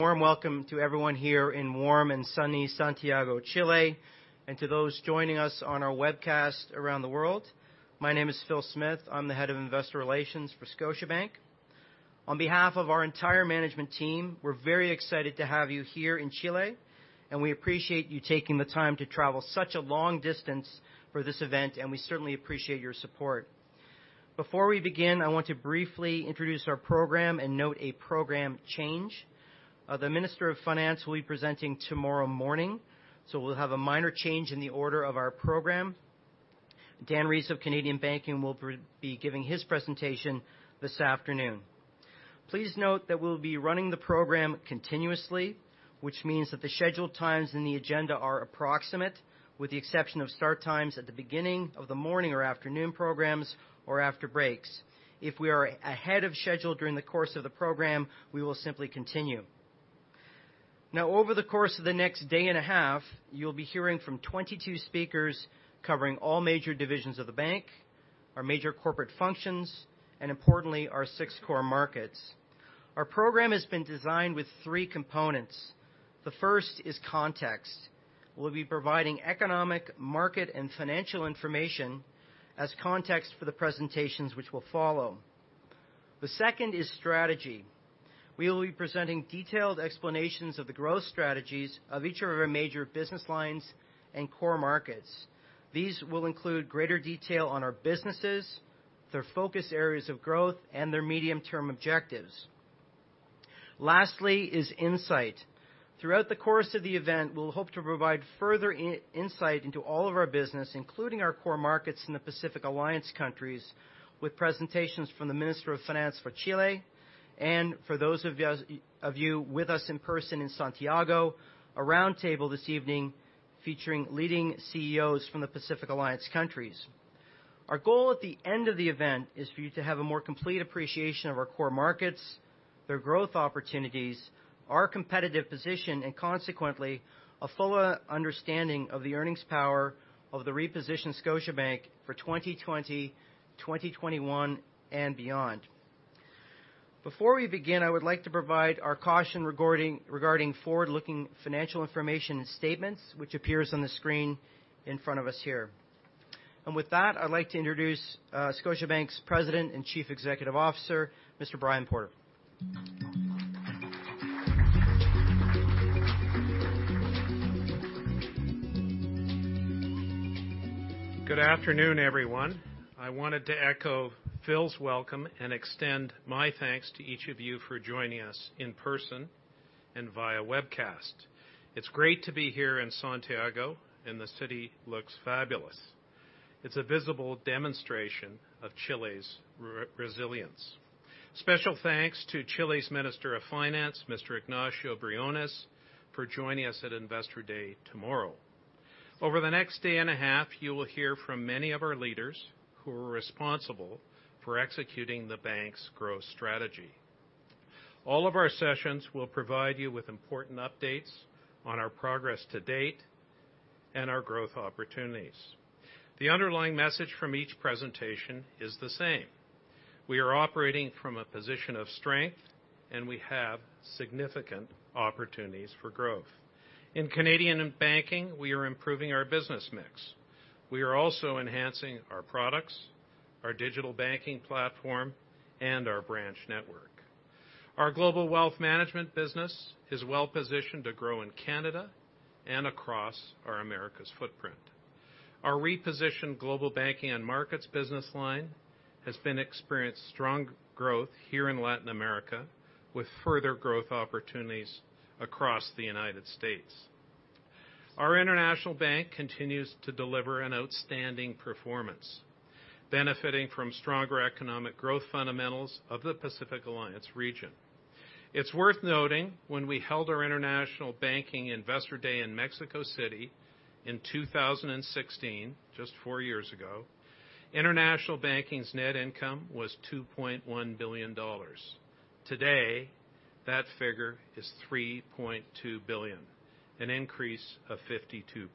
Warm welcome to everyone here in warm and sunny Santiago, Chile, and to those joining us on our webcast around the world. My name is Phil Thomas. I'm the Head of Investor Relations for Scotiabank. On behalf of our entire management team, we're very excited to have you here in Chile, and we appreciate you taking the time to travel such a long distance for this event, and we certainly appreciate your support. Before we begin, I want to briefly introduce our program and note a program change. The Minister of Finance will be presenting tomorrow morning. We'll have a minor change in the order of our program. Dan Rees of Canadian Banking will be giving his presentation this afternoon. Please note that we'll be running the program continuously, which means that the scheduled times in the agenda are approximate, with the exception of start times at the beginning of the morning or afternoon programs, or after breaks. If we are ahead of schedule during the course of the program, we will simply continue. Over the course of the next day and a half, you'll be hearing from 22 speakers covering all major divisions of the bank, our major corporate functions, and importantly, our six core markets. Our program has been designed with three components. The first is context. We'll be providing economic, market, and financial information as context for the presentations which will follow. The second is strategy. We will be presenting detailed explanations of the growth strategies of each of our major business lines and core markets. These will include greater detail on our businesses, their focus areas of growth, and their medium-term objectives. Lastly is insight. Throughout the course of the event, we'll hope to provide further insight into all of our business, including our core markets in the Pacific Alliance countries, with presentations from the Minister of Finance for Chile, and for those of you with us in person in Santiago, a round table this evening featuring leading CEOs from the Pacific Alliance countries. Our goal at the end of the event is for you to have a more complete appreciation of our core markets, their growth opportunities, our competitive position, and consequently, a fuller understanding of the earnings power of the repositioned Scotiabank for 2020, 2021, and beyond. Before we begin, I would like to provide our caution regarding forward-looking financial information and statements, which appears on the screen in front of us here. With that, I'd like to introduce Scotiabank's President and Chief Executive Officer, Mr. Brian Porter. Good afternoon, everyone. I wanted to echo Phil's welcome and extend my thanks to each of you for joining us in person and via webcast. It's great to be here in Santiago, and the city looks fabulous. It's a visible demonstration of Chile's resilience. Special thanks to Chile's Minister of Finance, Mr. Ignacio Briones, for joining us at Investor Day tomorrow. Over the next day and a half, you will hear from many of our leaders who are responsible for executing the bank's growth strategy. All of our sessions will provide you with important updates on our progress to date and our growth opportunities. The underlying message from each presentation is the same: We are operating from a position of strength, and we have significant opportunities for growth. In Canadian Banking, we are improving our business mix. We are also enhancing our products, our digital banking platform, and our branch network. Our Global Wealth Management business is well-positioned to grow in Canada and across our Americas footprint. Our repositioned Global Banking and Markets business line has experienced strong growth here in Latin America, with further growth opportunities across the United States. Our International Banking continues to deliver an outstanding performance, benefiting from stronger economic growth fundamentals of the Pacific Alliance region. It's worth noting when we held our International Banking Investor Day in Mexico City in 2016, just four years ago, International Banking's net income was 2.1 billion dollars. Today, that figure is 3.2 billion, an increase of 52%.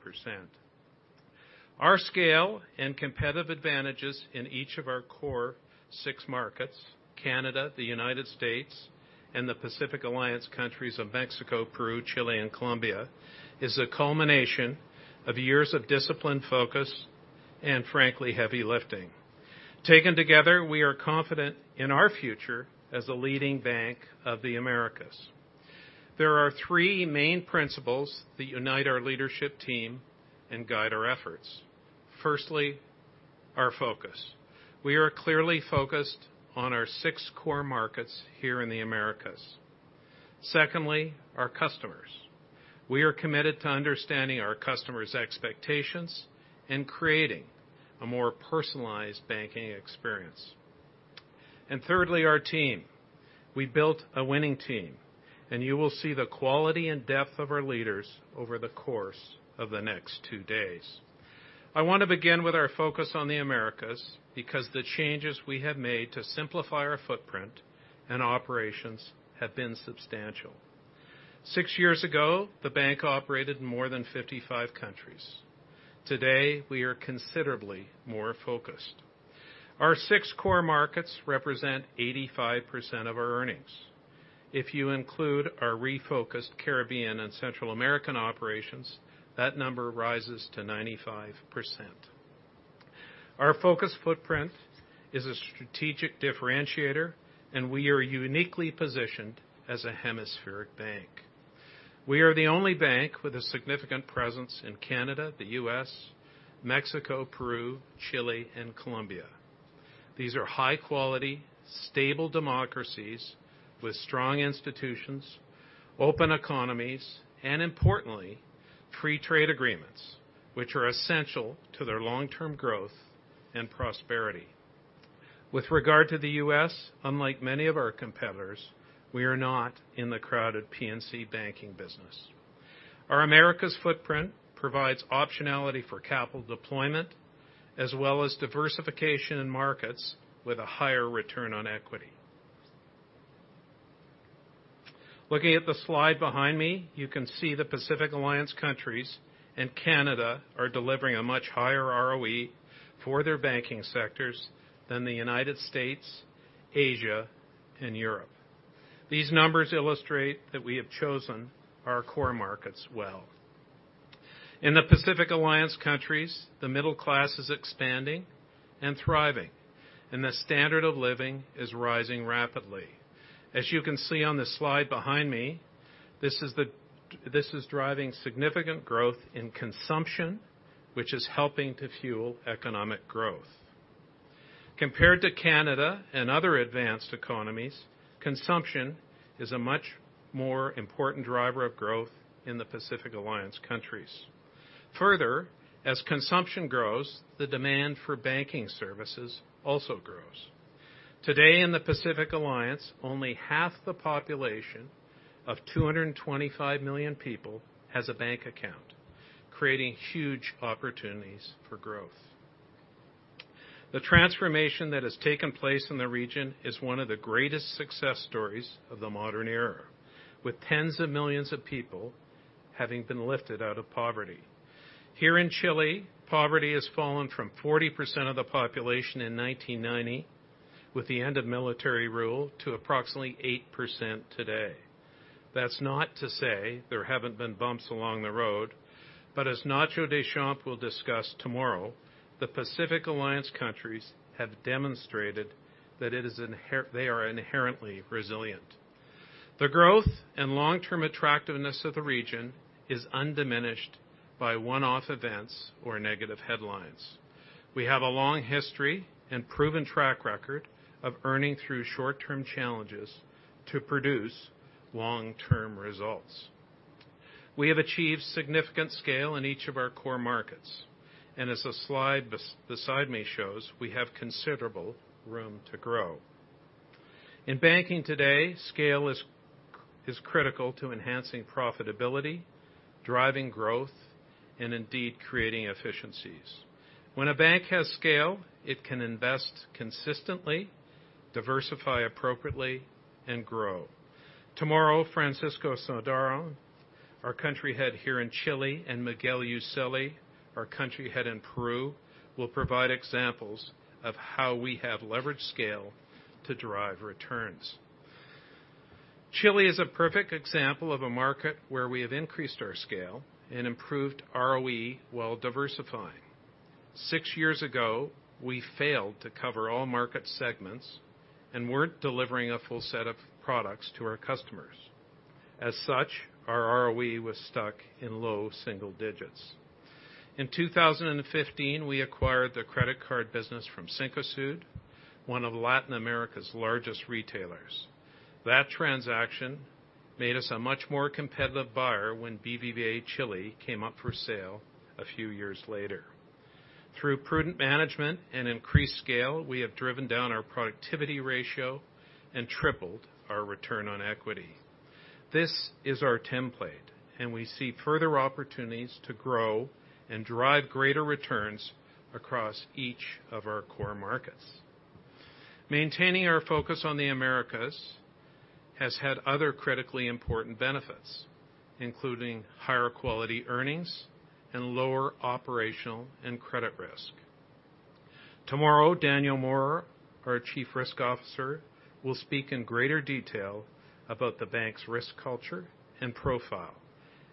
Our scale and competitive advantages in each of our core six markets, Canada, the United States, and the Pacific Alliance countries of Mexico, Peru, Chile, and Colombia, is a culmination of years of disciplined focus and frankly, heavy lifting. Taken together, we are confident in our future as a leading bank of the Americas. There are three main principles that unite our leadership team and guide our efforts. Firstly, our focus. We are clearly focused on our six core markets here in the Americas. Secondly, our customers. We are committed to understanding our customers' expectations and creating a more personalized banking experience. Thirdly, our team. We built a winning team, and you will see the quality and depth of our leaders over the course of the next two days. I want to begin with our focus on the Americas because the changes we have made to simplify our footprint and operations have been substantial. Six years ago, the bank operated in more than 55 countries. Today, we are considerably more focused. Our six core markets represent 85% of our earnings. If you include our refocused Caribbean and Central American operations, that number rises to 95%. Our focus footprint is a strategic differentiator, and we are uniquely positioned as a hemispheric bank. We are the only bank with a significant presence in Canada, the U.S., Mexico, Peru, Chile, and Colombia. These are high-quality, stable democracies with strong institutions, open economies, and importantly, free trade agreements, which are essential to their long-term growth and prosperity. With regard to the U.S., unlike many of our competitors, we are not in the crowded P&C banking business. Our Americas footprint provides optionality for capital deployment, as well as diversification in markets with a higher return on equity. Looking at the slide behind me, you can see the Pacific Alliance countries and Canada are delivering a much higher ROE for their banking sectors than the United States, Asia, and Europe. These numbers illustrate that we have chosen our core markets well. In the Pacific Alliance countries, the middle class is expanding and thriving, and the standard of living is rising rapidly. As you can see on the slide behind me, this is driving significant growth in consumption, which is helping to fuel economic growth. Compared to Canada and other advanced economies, consumption is a much more important driver of growth in the Pacific Alliance countries. Further, as consumption grows, the demand for banking services also grows. Today in the Pacific Alliance, only half the population of 225 million people has a bank account, creating huge opportunities for growth. The transformation that has taken place in the region is one of the greatest success stories of the modern era, with tens of millions of people having been lifted out of poverty. Here in Chile, poverty has fallen from 40% of the population in 1990, with the end of military rule, to approximately 8% today. That's not to say there haven't been bumps along the road, but as Nacho Deschamps will discuss tomorrow, the Pacific Alliance countries have demonstrated that they are inherently resilient. The growth and long-term attractiveness of the region is undiminished by one-off events or negative headlines. We have a long history and proven track record of earning through short-term challenges to produce long-term results. We have achieved significant scale in each of our core markets. As the slide beside me shows, we have considerable room to grow. In banking today, scale is critical to enhancing profitability, driving growth, and indeed, creating efficiencies. When a bank has scale, it can invest consistently, diversify appropriately, and grow. Tomorrow, Francisco Sardón, our country head here in Chile, and Miguel Uccelli, our country head in Peru, will provide examples of how we have leveraged scale to drive returns. Chile is a perfect example of a market where we have increased our scale and improved ROE while diversifying. Six years ago, we failed to cover all market segments and weren't delivering a full set of products to our customers. As such, our ROE was stuck in low single digits. In 2015, we acquired the credit card business from Cencosud, one of Latin America's largest retailers. That transaction made us a much more competitive buyer when BBVA Chile came up for sale a few years later. Through prudent management and increased scale, we have driven down our productivity ratio and tripled our return on equity. This is our template. We see further opportunities to grow and drive greater returns across each of our core markets. Maintaining our focus on the Americas has had other critically important benefits, including higher quality earnings and lower operational and credit risk. Tomorrow, Daniel Moore, our Chief Risk Officer, will speak in greater detail about the bank's risk culture and profile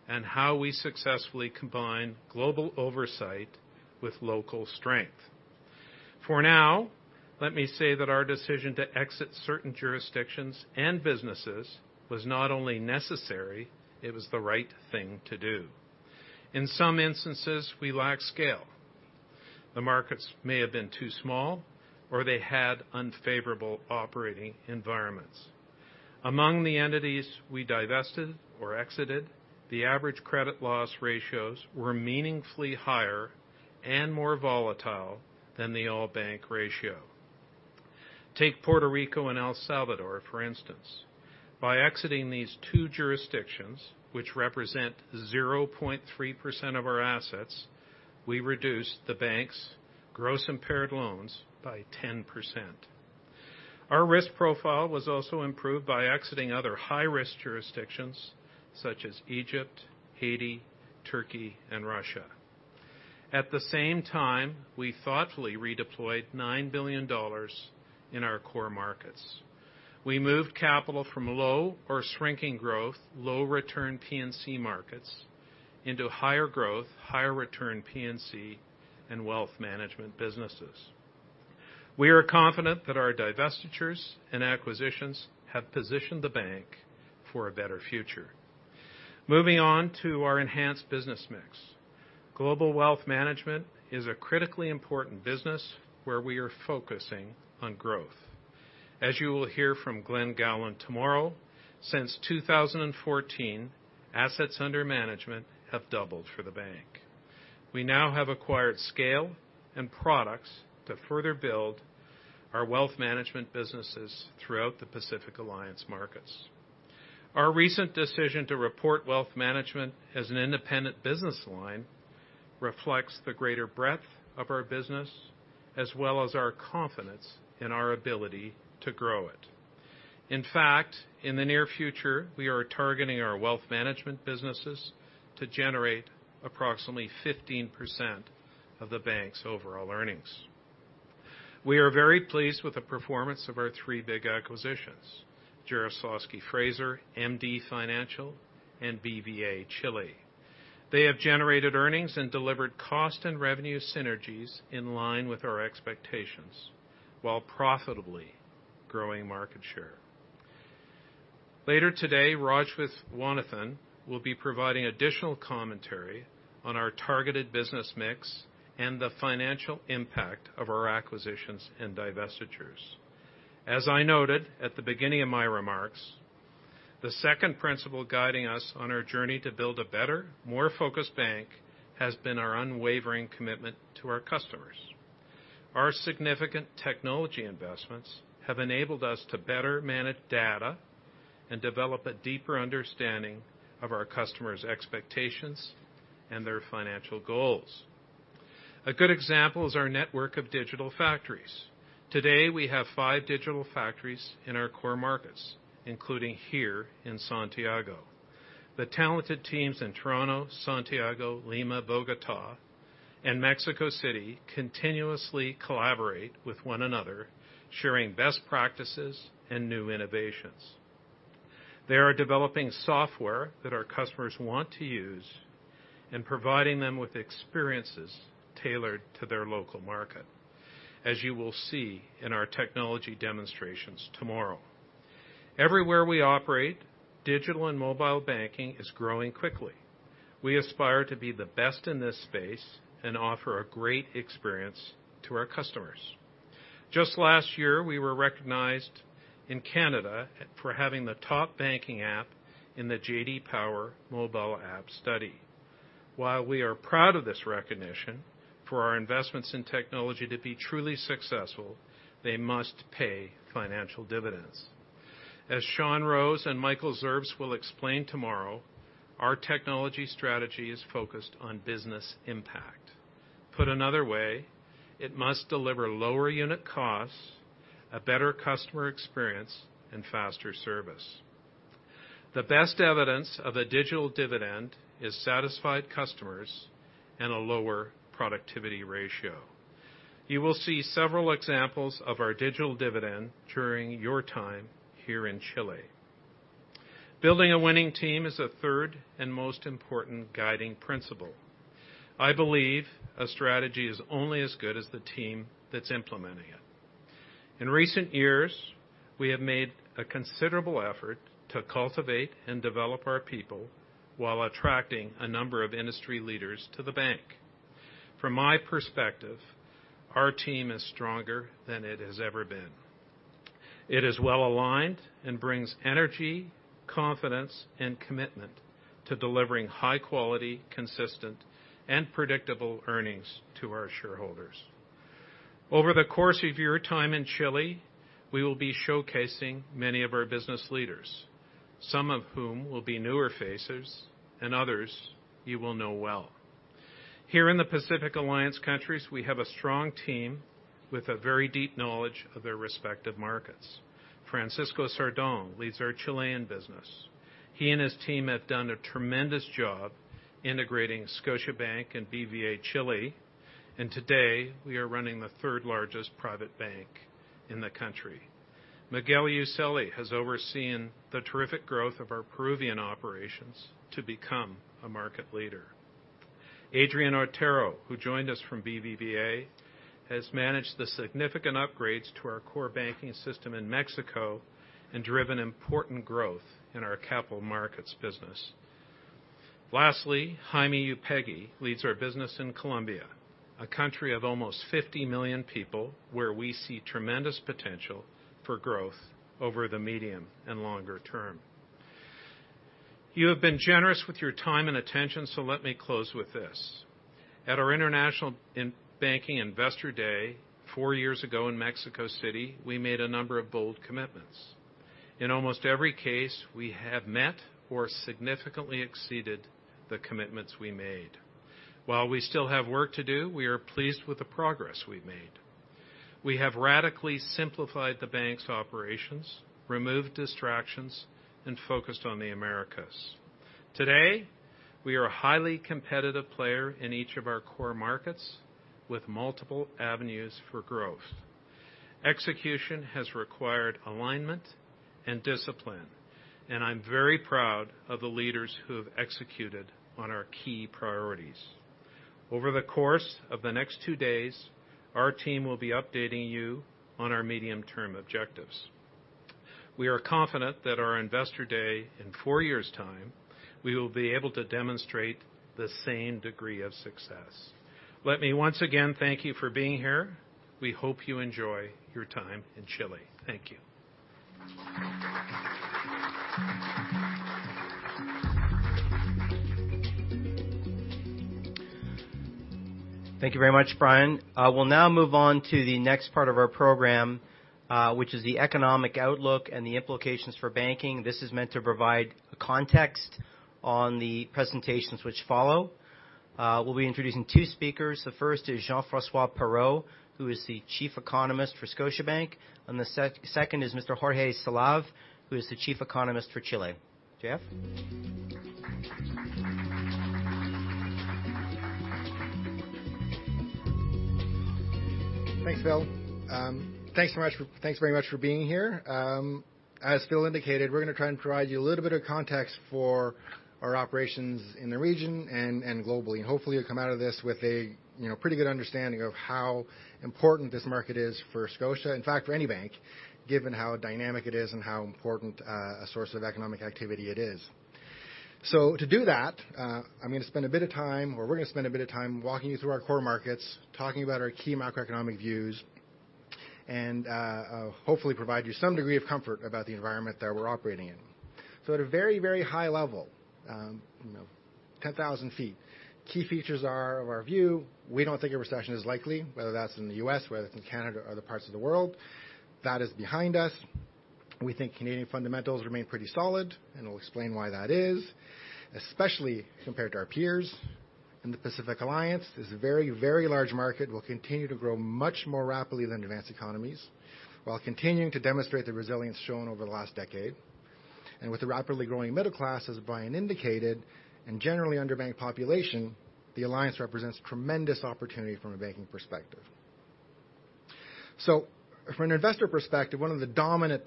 and how we successfully combine global oversight with local strength. For now, let me say that our decision to exit certain jurisdictions and businesses was not only necessary, it was the right thing to do. In some instances, we lacked scale. The markets may have been too small, or they had unfavorable operating environments. Among the entities we divested or exited, the average credit loss ratios were meaningfully higher and more volatile than the all-bank ratio. Take Puerto Rico and El Salvador, for instance. By exiting these two jurisdictions, which represent 0.3% of our assets, we reduced the bank's gross impaired loans by 10%. Our risk profile was also improved by exiting other high-risk jurisdictions such as Egypt, Haiti, Turkey, and Russia. At the same time, we thoughtfully redeployed 9 billion dollars in our core markets. We moved capital from low or shrinking growth, low return P&C markets into higher growth, higher return P&C and wealth management businesses. We are confident that our divestitures and acquisitions have positioned the bank for a better future. Moving on to our enhanced business mix. Global wealth management is a critically important business where we are focusing on growth. As you will hear from Glen Gowland tomorrow, since 2014, assets under management have doubled for the bank. We now have acquired scale and products to further build our wealth management businesses throughout the Pacific Alliance markets. Our recent decision to report wealth management as an independent business line reflects the greater breadth of our business, as well as our confidence in our ability to grow it. In fact, in the near future, we are targeting our wealth management businesses to generate approximately 15% of the bank's overall earnings. We are very pleased with the performance of our three big acquisitions, Jarislowsky Fraser, MD Financial, and BBVA Chile. They have generated earnings and delivered cost and revenue synergies in line with our expectations while profitably growing market share. Later today, Raj Viswanathan will be providing additional commentary on our targeted business mix and the financial impact of our acquisitions and divestitures. As I noted at the beginning of my remarks, the second principle guiding us on our journey to build a better, more focused bank has been our unwavering commitment to our customers. Our significant technology investments have enabled us to better manage data and develop a deeper understanding of our customers' expectations and their financial goals. A good example is our network of digital factories. Today, we have five digital factories in our core markets, including here in Santiago. The talented teams in Toronto, Santiago, Lima, Bogotá, and Mexico City continuously collaborate with one another, sharing best practices and new innovations. They are developing software that our customers want to use and providing them with experiences tailored to their local market, as you will see in our technology demonstrations tomorrow. Everywhere we operate, digital and mobile banking is growing quickly. We aspire to be the best in this space and offer a great experience to our customers. Just last year, we were recognized in Canada for having the top banking app in the J.D. Power Mobile App study. While we are proud of this recognition, for our investments in technology to be truly successful, they must pay financial dividends. As Shawn Rose and Michael Zerbs will explain tomorrow, our technology strategy is focused on business impact. Put another way, it must deliver lower unit costs, a better customer experience, and faster service. The best evidence of a digital dividend is satisfied customers and a lower productivity ratio. You will see several examples of our digital dividend during your time here in Chile. Building a winning team is a third and most important guiding principle. I believe a strategy is only as good as the team that's implementing it. In recent years, we have made a considerable effort to cultivate and develop our people while attracting a number of industry leaders to the bank. From my perspective, our team is stronger than it has ever been. It is well-aligned and brings energy, confidence, and commitment to delivering high quality, consistent, and predictable earnings to our shareholders. Over the course of your time in Chile, we will be showcasing many of our business leaders, some of whom will be newer faces and others you will know well. Here in the Pacific Alliance countries, we have a strong team with a very deep knowledge of their respective markets. Francisco Sardón leads our Chilean business. He and his team have done a tremendous job integrating Scotiabank and BBVA Chile, and today we are running the third largest private bank in the country. Miguel Uccelli has overseen the terrific growth of our Peruvian operations to become a market leader. Adrián Otero, who joined us from BBVA, has managed the significant upgrades to our core banking system in Mexico and driven important growth in our capital markets business. Lastly, Jaime Upegui leads our business in Colombia, a country of almost 50 million people where we see tremendous potential for growth over the medium and longer term. You have been generous with your time and attention, so let me close with this. At our International Banking Investor Day four years ago in Mexico City, we made a number of bold commitments. In almost every case, we have met or significantly exceeded the commitments we made. While we still have work to do, we are pleased with the progress we've made. We have radically simplified the bank's operations, removed distractions, and focused on the Americas. Today, we are a highly competitive player in each of our core markets with multiple avenues for growth. Execution has required alignment and discipline. I'm very proud of the leaders who have executed on our key priorities. Over the course of the next two days, our team will be updating you on our medium-term objectives. We are confident that our investor day, in four years' time, we will be able to demonstrate the same degree of success. Let me once again thank you for being here. We hope you enjoy your time in Chile. Thank you. Thank you very much, Brian. We'll now move on to the next part of our program, which is the economic outlook and the implications for banking. This is meant to provide a context on the presentations which follow. We'll be introducing two speakers. The first is Jean-François Perrault, who is the Chief Economist for Scotiabank, and the second is Mr. Jorge Selaive, who is the Chief Economist for Chile. JF? Thanks, Phil. Thanks very much for being here. As Phil indicated, we're going to try and provide you a little bit of context for our operations in the region and globally, and hopefully you'll come out of this with a pretty good understanding of how important this market is for Scotia. In fact, for any bank, given how dynamic it is and how important a source of economic activity it is. To do that, we're going to spend a bit of time walking you through our core markets, talking about our key macroeconomic views, and hopefully provide you some degree of comfort about the environment that we're operating in. At a very high level, 10,000 ft, key features are of our view, we don't think a recession is likely, whether that's in the U.S., whether it's in Canada or other parts of the world. That is behind us. We think Canadian fundamentals remain pretty solid, and I'll explain why that is, especially compared to our peers in the Pacific Alliance. This is a very large market, will continue to grow much more rapidly than advanced economies while continuing to demonstrate the resilience shown over the last decade. With the rapidly growing middle class, as Brian indicated, and generally underbanked population, the alliance represents tremendous opportunity from a banking perspective. From an investor perspective, one of the dominant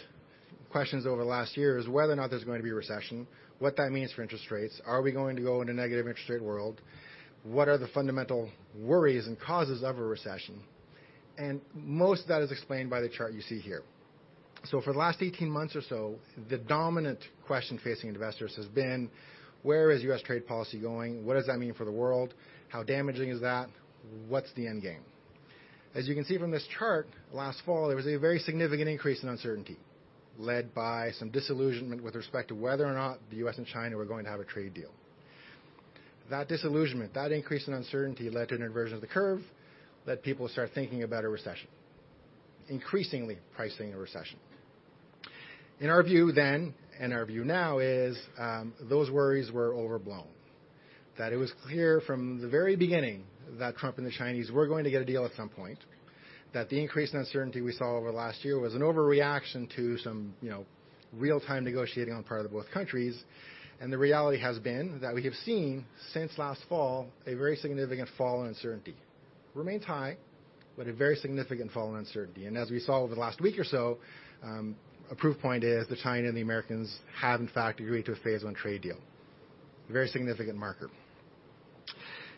questions over the last year is whether or not there's going to be a recession, what that means for interest rates. Are we going to go in a negative interest rate world? What are the fundamental worries and causes of a recession? Most of that is explained by the chart you see here. For the last 18 months or so, the dominant question facing investors has been: Where is U.S. trade policy going? What does that mean for the world? How damaging is that? What's the end game? As you can see from this chart, last fall, there was a very significant increase in uncertainty, led by some disillusionment with respect to whether or not the U.S. and China were going to have a trade deal. That disillusionment, that increase in uncertainty led to an inversion of the curve, let people start thinking about a recession, increasingly pricing a recession. In our view then, and our view now is, those worries were overblown. That it was clear from the very beginning that Trump and the Chinese were going to get a deal at some point, that the increased uncertainty we saw over the last year was an overreaction to some real-time negotiating on part of both countries, and the reality has been that we have seen since last fall, a very significant fall in uncertainty. Remains high, but a very significant fall in uncertainty. As we saw over the last week or so, a proof point is the China and the Americans have, in fact, agreed to a phase one trade deal, a very significant marker.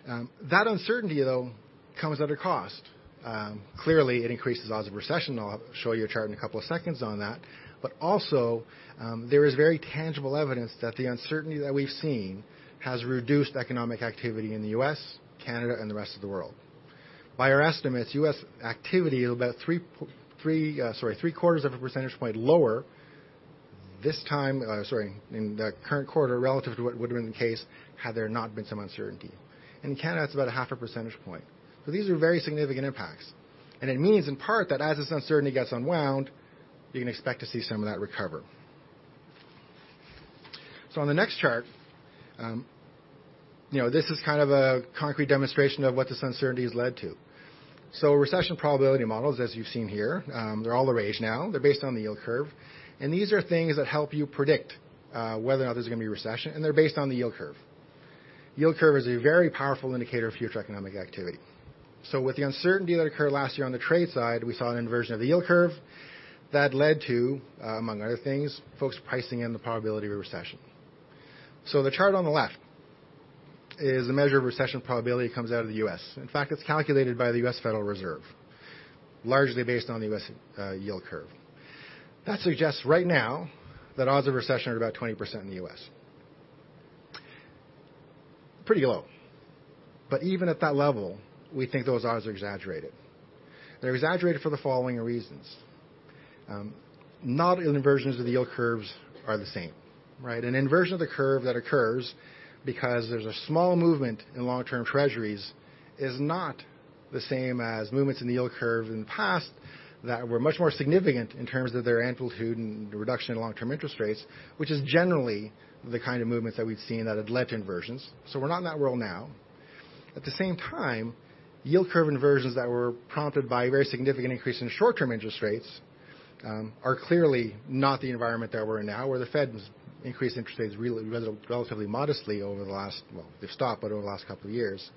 That uncertainty, though, comes at a cost. Clearly, it increases odds of recession. I'll show you a chart in a couple of seconds on that. Also, there is very tangible evidence that the uncertainty that we've seen has reduced economic activity in the U.S., Canada, and the rest of the world. By our estimates, U.S. activity is about three quarters of a percentage point lower in the current quarter relative to what would've been the case had there not been some uncertainty. In Canada, it's about a half a percentage point. These are very significant impacts. It means in part that as this uncertainty gets unwound, you can expect to see some of that recover. On the next chart, this is kind of a concrete demonstration of what this uncertainty has led to. Recession probability models, as you've seen here, they're all the rage now. They're based on the yield curve. These are things that help you predict whether or not there's going to be a recession, and they're based on the yield curve. Yield curve is a very powerful indicator of future economic activity. With the uncertainty that occurred last year on the trade side, we saw an inversion of the yield curve that led to, among other things, folks pricing in the probability of a recession. The chart on the left is a measure of recession probability comes out of the U.S. In fact, it's calculated by the U.S. Federal Reserve, largely based on the U.S. yield curve. That suggests right now that odds of recession are about 20% in the U.S. Pretty low. Even at that level, we think those odds are exaggerated. They're exaggerated for the following reasons. Not inversions of the yield curves are the same, right? An inversion of the curve that occurs because there's a small movement in long-term treasuries is not the same as movements in the yield curve in the past that were much more significant in terms of their amplitude and the reduction in long-term interest rates, which is generally the kind of movements that we've seen that have led to inversions. We're not in that world now. At the same time, yield curve inversions that were prompted by a very significant increase in short-term interest rates are clearly not the environment that we're in now, where the Fed increased interest rates relatively modestly over the last, well, they've stopped, but over the last couple of years.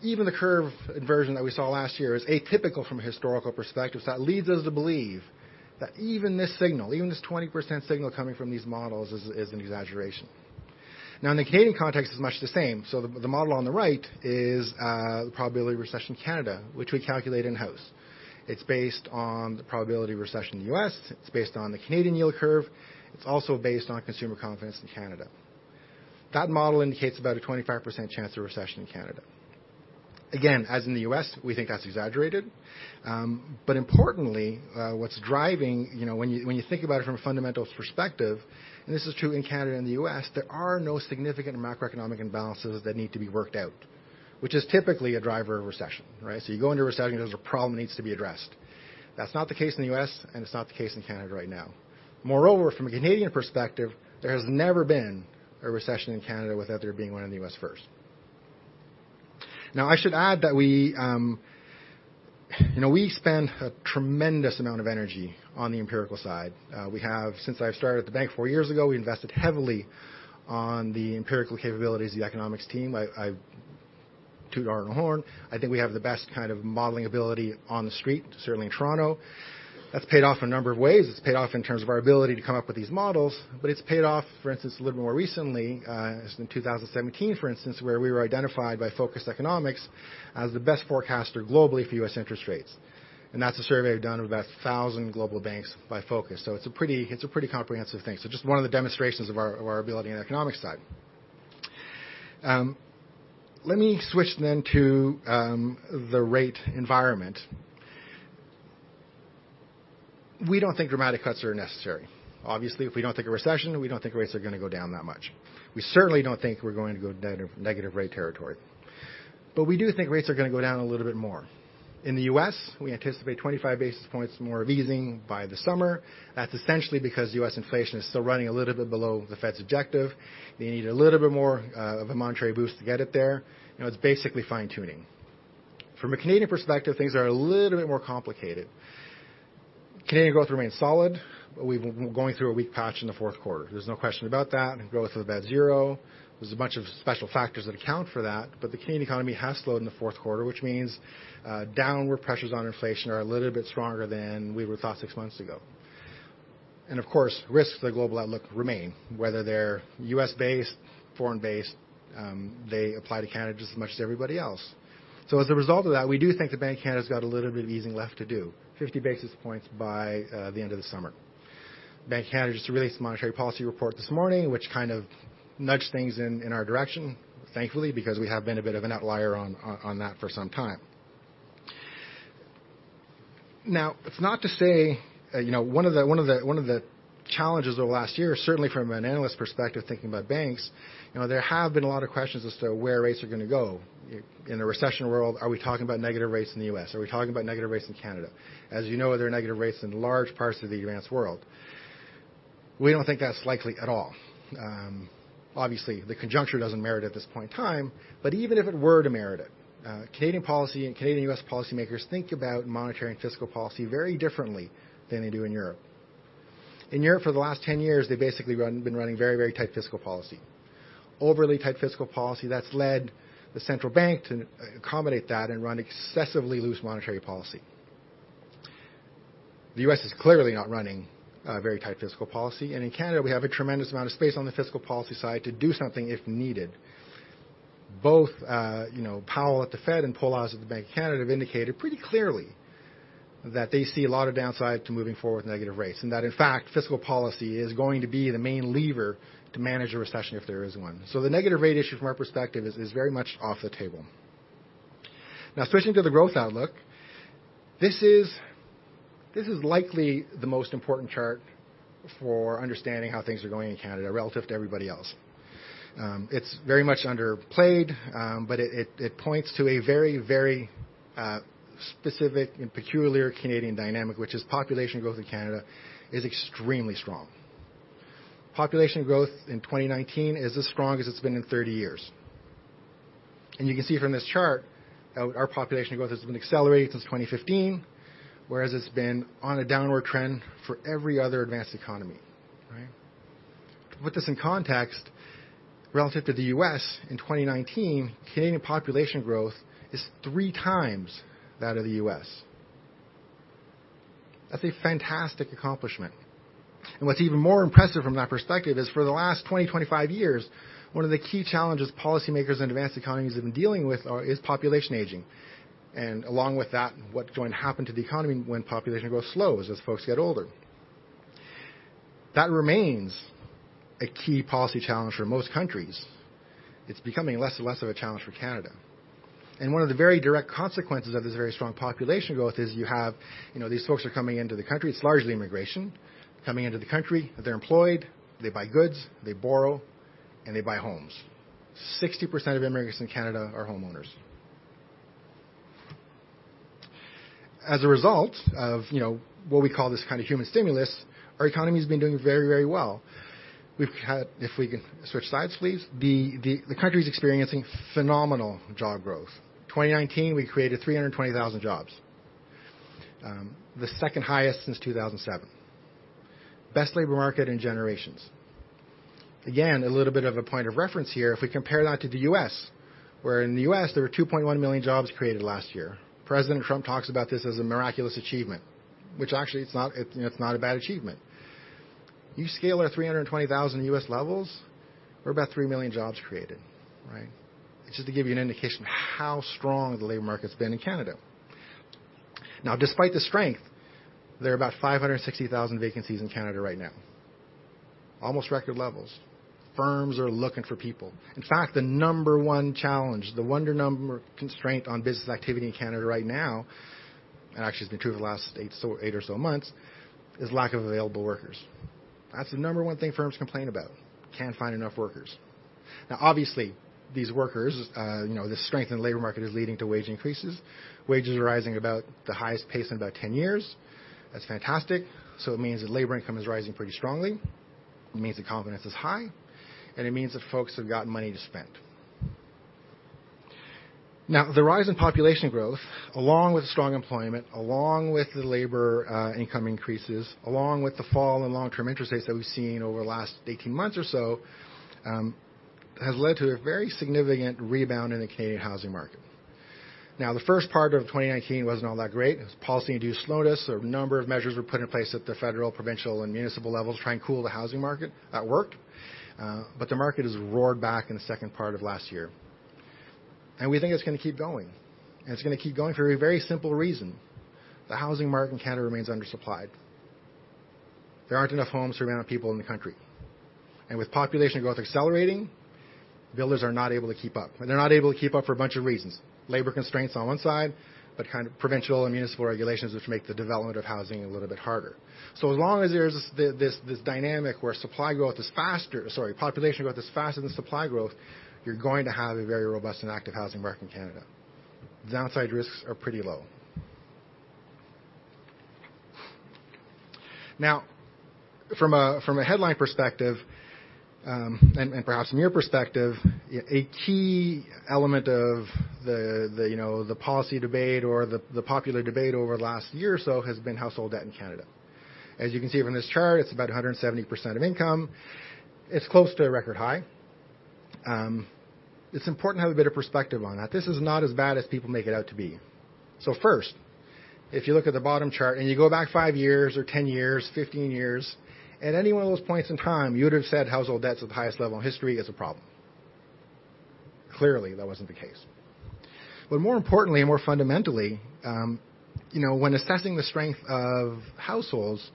Even the curve inversion that we saw last year is atypical from a historical perspective. That leads us to believe that even this signal, even this 20% signal coming from these models is an exaggeration. In the Canadian context, it's much the same. The model on the right is the probability of recession in Canada, which we calculate in-house. It's based on the probability of recession in the U.S. It's based on the Canadian yield curve. It's also based on consumer confidence in Canada. That model indicates about a 25% chance of recession in Canada. Again, as in the U.S., we think that's exaggerated. Importantly, when you think about it from a fundamentals perspective, and this is true in Canada and the U.S., there are no significant macroeconomic imbalances that need to be worked out, which is typically a driver of recession, right? You go into a recession, there's a problem needs to be addressed. That's not the case in the U.S., and it's not the case in Canada right now. Moreover, from a Canadian perspective, there has never been a recession in Canada without there being one in the U.S. first. Now, I should add that we spend a tremendous amount of energy on the empirical side. Since I've started at the bank four years ago, we invested heavily on the empirical capabilities of the economics team. I toot our own horn. I think we have the best kind of modeling ability on the street, certainly in Toronto. That's paid off in a number of ways. It's paid off in terms of our ability to come up with these models, but it's paid off, for instance, a little more recently, in 2017, for instance, where we were identified by Focus Economics as the best forecaster globally for U.S. interest rates. That's a survey done of about 1,000 global banks by Focus. It's a pretty comprehensive thing. Just one of the demonstrations of our ability on the economics side. Let me switch to the rate environment. We don't think dramatic cuts are necessary. Obviously, if we don't think a recession, we don't think rates are going to go down that much. We certainly don't think we're going to go down to negative rate territory. We do think rates are going to go down a little bit more. In the U.S., we anticipate 25 basis points more of easing by the summer. That's essentially because U.S. inflation is still running a little bit below the Fed's objective. They need a little bit more of a monetary boost to get it there. It's basically fine-tuning. From a Canadian perspective, things are a little bit more complicated. Canadian growth remains solid. We've been going through a weak patch in the fourth quarter. There's no question about that. Growth was about zero. There's a bunch of special factors that account for that, but the Canadian economy has slowed in the fourth quarter, which means downward pressures on inflation are a little bit stronger than we would've thought six months ago. Of course, risks to the global outlook remain, whether they're U.S.-based, foreign based, they apply to Canada just as much as everybody else. As a result of that, we do think the Bank of Canada has got a little bit of easing left to do, 50 basis points by the end of the summer. Bank of Canada just released a monetary policy report this morning, which kind of nudged things in our direction, thankfully, because we have been a bit of an outlier on that for some time. Now, it's not to say, one of the challenges over the last year, certainly from an analyst perspective thinking about banks, there have been a lot of questions as to where rates are going to go. In a recession world, are we talking about negative rates in the U.S.? Are we talking about negative rates in Canada? As you know, there are negative rates in large parts of the advanced world. We don't think that's likely at all. Obviously, the conjuncture doesn't merit it at this point in time, but even if it were to merit it, Canadian policy and Canadian U.S. policymakers think about monetary and fiscal policy very differently than they do in Europe. In Europe, for the last 10 years, they basically been running very tight fiscal policy. Overly tight fiscal policy that's led the central bank to accommodate that and run excessively loose monetary policy. The U.S. is clearly not running a very tight fiscal policy. In Canada, we have a tremendous amount of space on the fiscal policy side to do something if needed. Both Powell at the Fed and Poloz at the Bank of Canada have indicated pretty clearly that they see a lot of downside to moving forward with negative rates. That, in fact, fiscal policy is going to be the main lever to manage a recession if there is one. The negative rate issue from our perspective is very much off the table. Switching to the growth outlook, this is likely the most important chart for understanding how things are going in Canada relative to everybody else. It's very much underplayed, but it points to a very specific and peculiar Canadian dynamic, which is population growth in Canada is extremely strong. Population growth in 2019 is as strong as it's been in 30 years. You can see from this chart that our population growth has been accelerating since 2015, whereas it's been on a downward trend for every other advanced economy. Right. To put this in context, relative to the U.S. in 2019, Canadian population growth is three times that of the U.S. That's a fantastic accomplishment. What's even more impressive from that perspective is for the last 20, 25 years, one of the key challenges policymakers in advanced economies have been dealing with is population aging. Along with that, what's going to happen to the economy when population growth slows as folks get older? That remains a key policy challenge for most countries. It is becoming less and less of a challenge for Canada. One of the very direct consequences of this very strong population growth is you have these folks are coming into the country. It is largely immigration. Coming into the country, they are employed, they buy goods, they borrow, and they buy homes. 60% of immigrants in Canada are homeowners. As a result of what we call this human stimulus, our economy has been doing very well. If we can switch sides, please. The country is experiencing phenomenal job growth. 2019, we created 320,000 jobs. The second highest since 2007. Best labor market in generations. Again, a little bit of a point of reference here. If we compare that to the U.S., where in the U.S., there were 2.1 million jobs created last year. President Trump talks about this as a miraculous achievement, which actually, it's not a bad achievement. You scale it at 320,000 U.S. levels, we're about 3 million jobs created. Just to give you an indication of how strong the labor market's been in Canada. Despite the strength, there are about 560,000 vacancies in Canada right now. Almost record levels. Firms are looking for people. The number one challenge, the number one constraint on business activity in Canada right now, and actually it's been true for the last eight or so months, is lack of available workers. That's the number one thing firms complain about. Can't find enough workers. Obviously, these workers, this strength in the labor market is leading to wage increases. Wages are rising about the highest pace in about 10 years. That's fantastic. It means that labor income is rising pretty strongly. It means that confidence is high, and it means that folks have got money to spend. The rise in population growth, along with strong employment, along with the labor income increases, along with the fall in long-term interest rates that we've seen over the last 18 months or so, has led to a very significant rebound in the Canadian housing market. The first part of 2019 wasn't all that great. It was policy-induced slowness. A number of measures were put in place at the federal, provincial, and municipal levels to try and cool the housing market. That worked. The market has roared back in the second part of last year. We think it's going to keep going, and it's going to keep going for a very simple reason. The housing market in Canada remains undersupplied. There aren't enough homes for the amount of people in the country. With population growth accelerating, builders are not able to keep up. They're not able to keep up for a bunch of reasons. Labor constraints on one side, but provincial and municipal regulations, which make the development of housing a little bit harder. As long as there's this dynamic where supply growth is faster, sorry, population growth is faster than supply growth, you're going to have a very robust and active housing market in Canada. The downside risks are pretty low. From a headline perspective, and perhaps from your perspective, a key element of the policy debate or the popular debate over the last year or so has been household debt in Canada. As you can see from this chart, it's about 170% of income. It's close to a record high. It's important to have a bit of perspective on that. This is not as bad as people make it out to be. First, if you look at the bottom chart and you go back five years or 10 years, 15 years, at any one of those points in time, you would've said household debt's at the highest level in history is a problem. Clearly, that wasn't the case. More importantly and more fundamentally, when assessing the strength of households,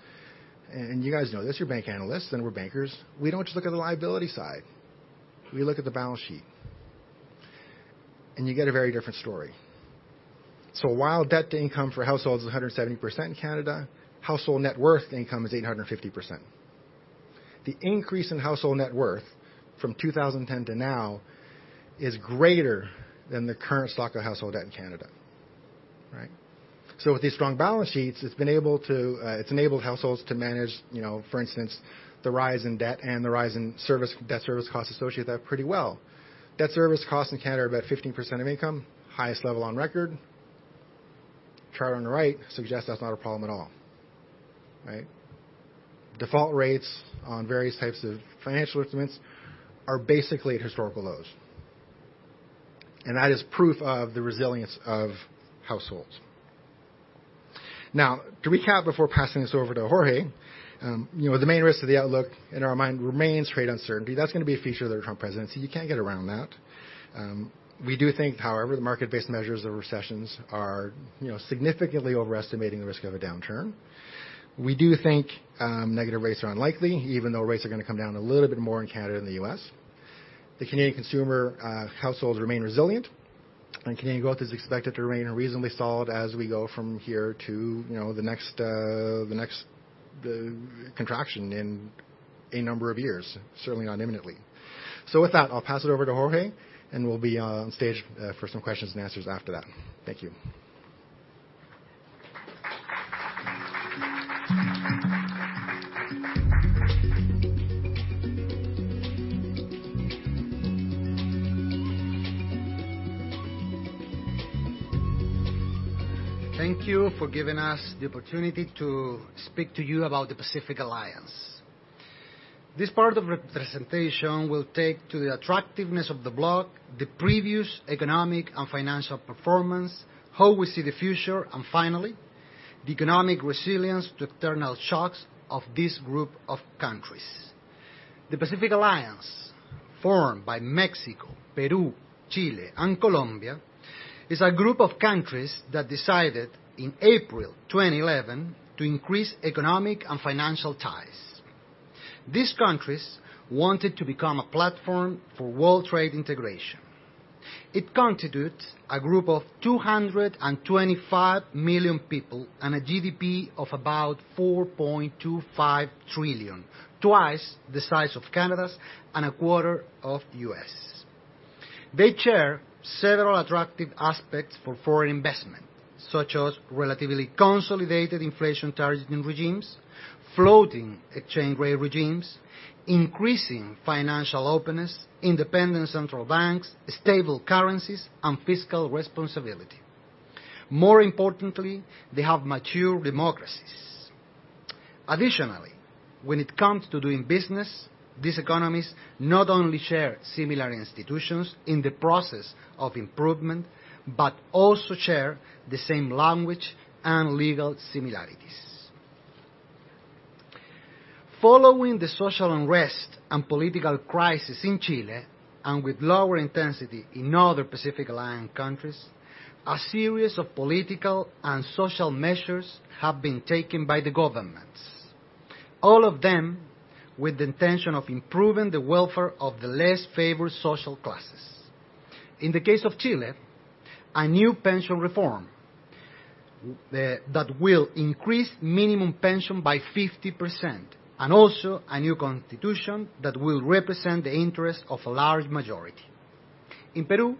and you guys know this, you're bank analysts, and we're bankers, we don't just look at the liability side. We look at the balance sheet. You get a very different story. While debt to income for households is 170% in Canada, household net worth income is 850%. The increase in household net worth from 2010 to now is greater than the current stock of household debt in Canada. With these strong balance sheets, it's enabled households to manage, for instance, the rise in debt and the rise in debt service costs associated with that pretty well. Debt service costs in Canada are about 15% of income, highest level on record. Chart on the right suggests that's not a problem at all. Default rates on various types of financial instruments are basically at historical lows. That is proof of the resilience of households. Now, to recap before passing this over to Jorge, the main risk of the outlook in our mind remains trade uncertainty. That's going to be a feature of the Trump presidency. You can't get around that. We do think, however, the market-based measures of recessions are significantly overestimating the risk of a downturn. We do think negative rates are unlikely, even though rates are going to come down a little bit more in Canada and the U.S. The Canadian consumer households remain resilient, and Canadian growth is expected to remain reasonably solid as we go from here to the next contraction in a number of years, certainly not imminently. With that, I'll pass it over to Jorge, and we'll be on stage for some questions and answers after that. Thank you. Thank you for giving us the opportunity to speak to you about the Pacific Alliance. This part of representation will take to the attractiveness of the block, the previous economic and financial performance, how we see the future, and finally, the economic resilience to external shocks of this group of countries. The Pacific Alliance, formed by Mexico, Peru, Chile, and Colombia, is a group of countries that decided in April 2011 to increase economic and financial ties. These countries wanted to become a platform for world trade integration. It constitutes a group of 225 million people and a GDP of about 4.25 trillion, twice the size of Canada's and a quarter of U.S. They share several attractive aspects for foreign investment, such as relatively consolidated inflation targeting regimes, floating exchange rate regimes, increasing financial openness, independent central banks, stable currencies, and fiscal responsibility. More importantly, they have mature democracies. Additionally, when it comes to doing business, these economies not only share similar institutions in the process of improvement, but also share the same language and legal similarities. Following the social unrest and political crisis in Chile, and with lower intensity in other Pacific Alliance countries, a series of political and social measures have been taken by the governments, all of them with the intention of improving the welfare of the less favored social classes. In the case of Chile, a new pension reform that will increase minimum pension by 50%, and also a new constitution that will represent the interests of a large majority. In Peru,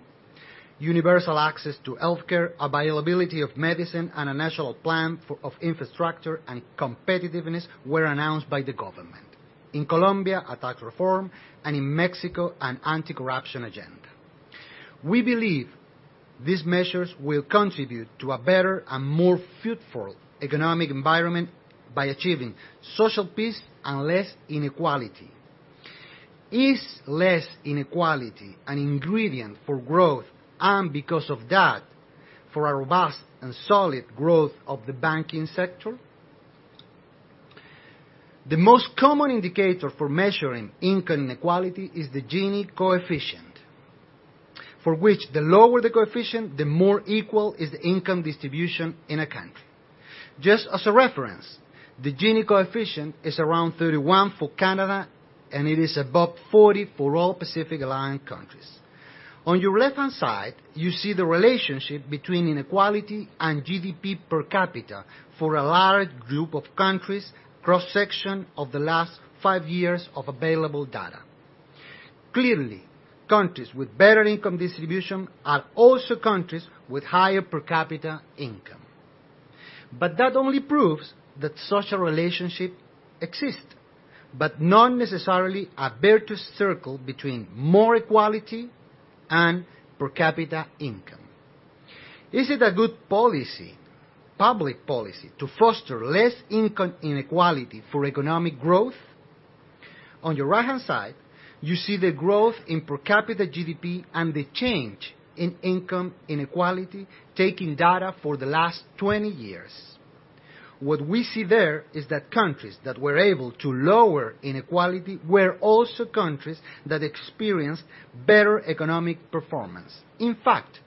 universal access to healthcare, availability of medicine, and a national plan of infrastructure and competitiveness were announced by the government. In Colombia, a tax reform, and in Mexico, an anti-corruption agenda. We believe these measures will contribute to a better and more fruitful economic environment by achieving social peace and less inequality. Is less inequality an ingredient for growth, and because of that, for a robust and solid growth of the banking sector? The most common indicator for measuring income inequality is the Gini coefficient, for which the lower the coefficient, the more equal is the income distribution in a country. Just as a reference, the Gini coefficient is around 31 for Canada, and it is above 40 for all Pacific Alliance countries. On your left-hand side, you see the relationship between inequality and GDP per capita for a large group of countries, cross-section of the last five years of available data. Clearly, countries with better income distribution are also countries with higher per capita income. That only proves that such a relationship exists, but not necessarily a virtuous circle between more equality and per capita income. Is it a good public policy to foster less income inequality for economic growth? On your right-hand side, you see the growth in per capita GDP and the change in income inequality, taking data for the last 20 years. What we see there is that countries that were able to lower inequality were also countries that experienced better economic performance. In fact,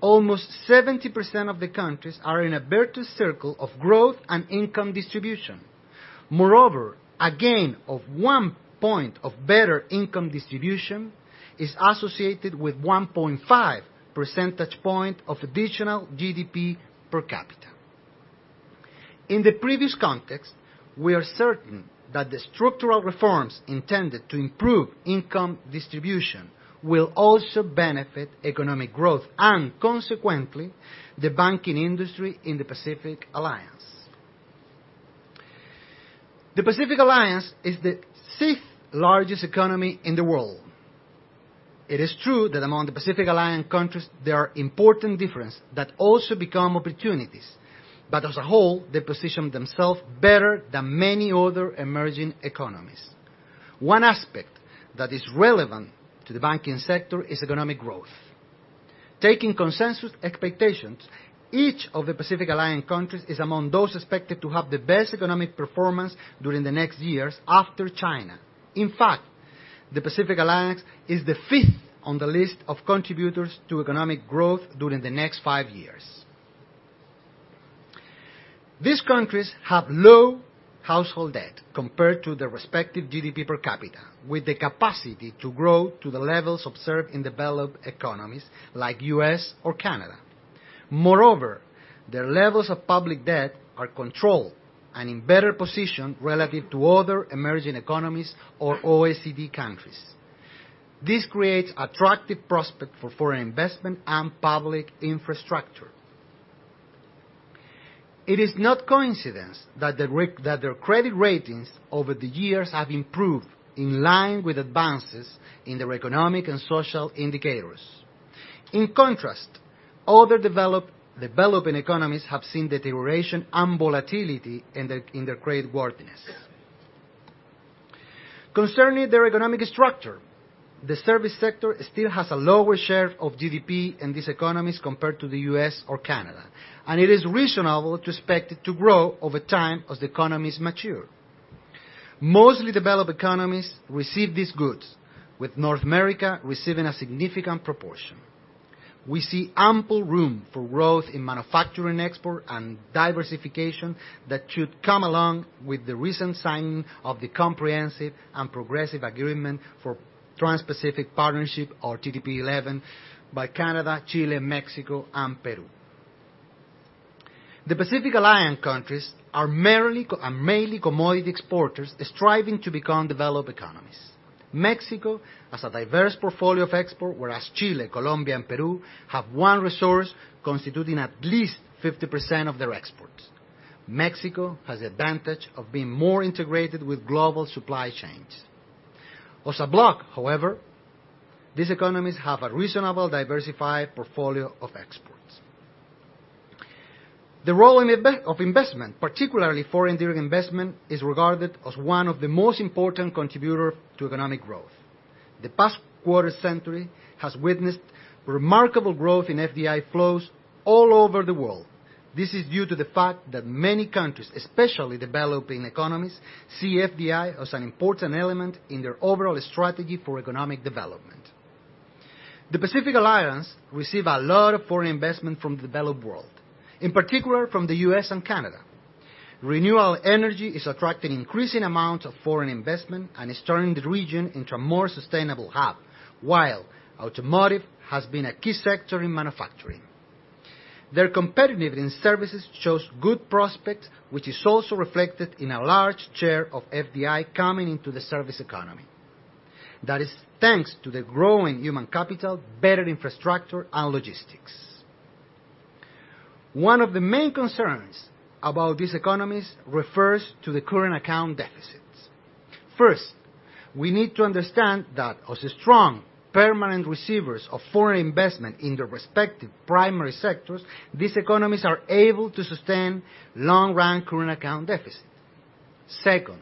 almost 70% of the countries are in a virtuous circle of growth and income distribution. Moreover, a gain of one point of better income distribution is associated with 1.5 percentage point of additional GDP per capita. In the previous context, we are certain that the structural reforms intended to improve income distribution will also benefit economic growth and consequently, the banking industry in the Pacific Alliance. The Pacific Alliance is the sixth largest economy in the world. It is true that among the Pacific Alliance countries, there are important differences that also become opportunities. As a whole, they position themselves better than many other emerging economies. One aspect that is relevant to the banking sector is economic growth. Taking consensus expectations, each of the Pacific Alliance countries is among those expected to have the best economic performance during the next years after China. In fact, the Pacific Alliance is the fifth on the list of contributors to economic growth during the next five years. These countries have low household debt compared to their respective GDP per capita, with the capacity to grow to the levels observed in developed economies like U.S. or Canada. Moreover, their levels of public debt are controlled and in better position relative to other emerging economies or OECD countries. This creates attractive prospect for foreign investment and public infrastructure. It is not coincidence that their credit ratings over the years have improved in line with advances in their economic and social indicators. In contrast, other developing economies have seen deterioration and volatility in their creditworthiness. Concerning their economic structure, the service sector still has a lower share of GDP in these economies compared to the U.S. or Canada, and it is reasonable to expect it to grow over time as the economies mature. Mostly developed economies receive these goods, with North America receiving a significant proportion. We see ample room for growth in manufacturing export and diversification that should come along with the recent signing of the Comprehensive and Progressive Agreement for Trans-Pacific Partnership, or CPTPP, by Canada, Chile, Mexico, and Peru. The Pacific Alliance countries are mainly commodity exporters striving to become developed economies. Mexico has a diverse portfolio of exports, whereas Chile, Colombia, and Peru have one resource constituting at least 50% of their exports. Mexico has the advantage of being more integrated with global supply chains. As a bloc, however, these economies have a reasonably diversified portfolio of exports. The role of investment, particularly foreign direct investment, is regarded as one of the most important contributors to economic growth. The past quarter-century has witnessed remarkable growth in FDI flows all over the world. This is due to the fact that many countries, especially developing economies, see FDI as an important element in their overall strategy for economic development. The Pacific Alliance receives a lot of foreign investment from the developed world, in particular from the U.S. and Canada. Renewable energy is attracting increasing amounts of foreign investment and is turning the region into a more sustainable hub, while automotive has been a key sector in manufacturing. Their competitiveness in services shows good prospects, which is also reflected in a large share of FDI coming into the service economy. That is thanks to the growing human capital, better infrastructure, and logistics. One of the main concerns about these economies refers to the current account deficits. First, we need to understand that as strong, permanent receivers of foreign investment in their respective primary sectors, these economies are able to sustain long-run current account deficits. Second,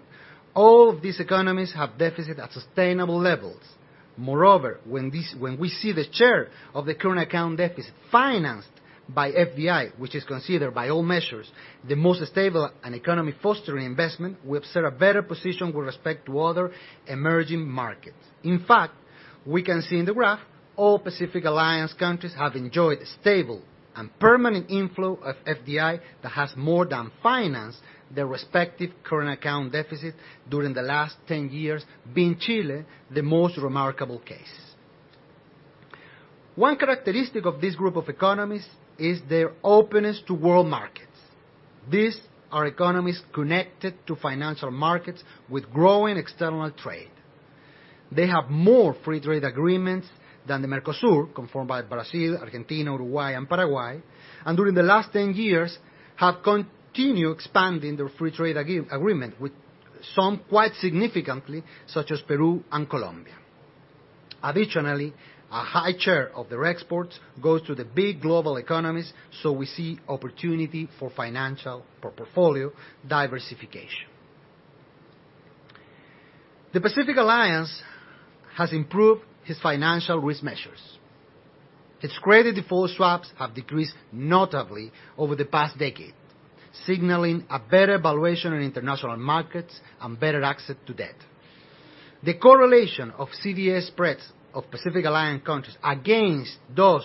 all of these economies have deficits at sustainable levels. Moreover, when we see the share of the current account deficit financed by FDI, which is considered by all measures the most stable and economy-fostering investment, we observe a better position with respect to other emerging markets. We can see in the graph all Pacific Alliance countries have enjoyed stable and permanent inflow of FDI that has more than financed their respective current account deficit during the last 10 years, being Chile the most remarkable case. One characteristic of this group of economies is their openness to world markets. These are economies connected to financial markets with growing external trade. They have more free trade agreements than the Mercosur, conformed by Brazil, Argentina, Uruguay, and Paraguay, and during the last 10 years have continued expanding their free trade agreement with some quite significantly, such as Peru and Colombia. Additionally, a high share of their exports goes to the big global economies, we see opportunity for portfolio diversification. The Pacific Alliance has improved its financial risk measures. Its credit default swaps have decreased notably over the past decade, signaling a better valuation in international markets and better access to debt. The correlation of CDS spreads of Pacific Alliance countries against those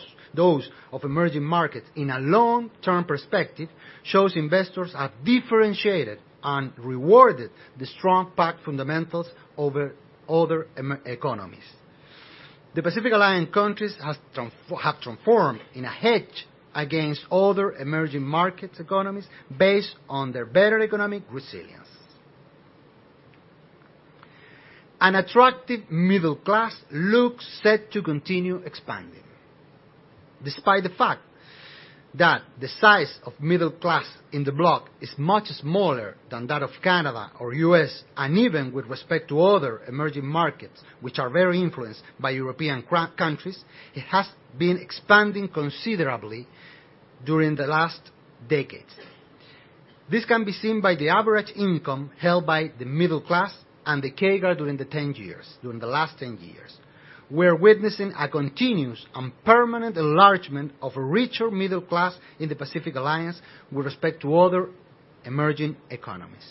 of emerging markets in a long-term perspective shows investors have differentiated and rewarded the strong PAC fundamentals over other economies. The Pacific Alliance countries have transformed in a hedge against other emerging markets economies based on their better economic resilience. An attractive middle class looks set to continue expanding. Despite the fact that the size of middle class in the bloc is much smaller than that of Canada or U.S., and even with respect to other emerging markets, which are very influenced by European countries, it has been expanding considerably during the last decade. This can be seen by the average income held by the middle class and the CAGR during the last 10 years. We are witnessing a continuous and permanent enlargement of a richer middle class in the Pacific Alliance with respect to other emerging economies.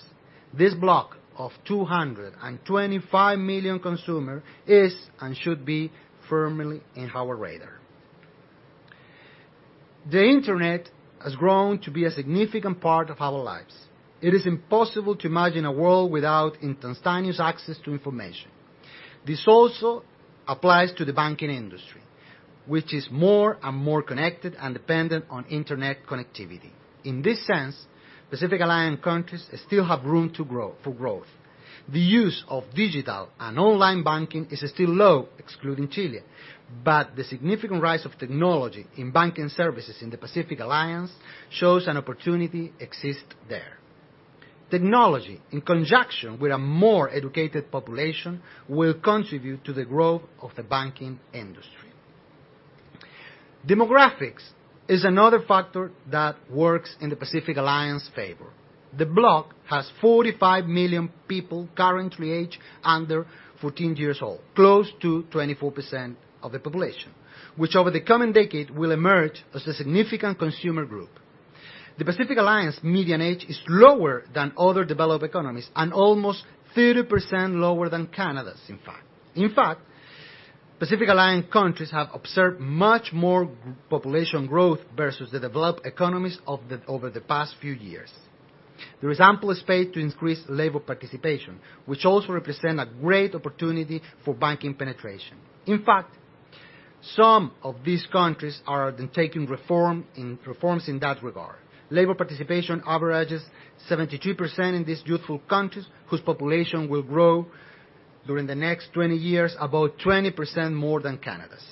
This bloc of 225 million consumer is and should be firmly in our radar. The internet has grown to be a significant part of our lives. It is impossible to imagine a world without instantaneous access to information. This also applies to the banking industry, which is more and more connected and dependent on internet connectivity. In this sense, Pacific Alliance countries still have room for growth. The use of digital and online banking is still low, excluding Chile, but the significant rise of technology in banking services in the Pacific Alliance shows an opportunity exists there. Technology, in conjunction with a more educated population, will contribute to the growth of the banking industry. Demographics is another factor that works in the Pacific Alliance favor. The bloc has 45 million people currently aged under 14 years old, close to 24% of the population, which over the coming decade will emerge as a significant consumer group. The Pacific Alliance median age is lower than other developed economies and almost 30% lower than Canada's in fact. In fact, Pacific Alliance countries have observed much more population growth versus the developed economies over the past few years. There is ample space to increase labor participation, which also represent a great opportunity for banking penetration. In fact some of these countries are undertaking reforms in that regard. Labor participation averages 72% in these youthful countries, whose population will grow during the next 20 years, about 20% more than Canada's.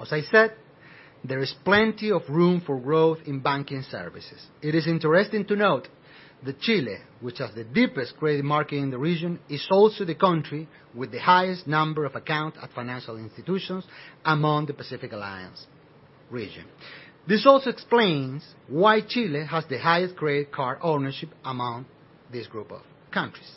As I said, there is plenty of room for growth in banking services. It is interesting to note that Chile, which has the deepest credit market in the region, is also the country with the highest number of accounts at financial institutions among the Pacific Alliance region. This also explains why Chile has the highest credit card ownership among this group of countries.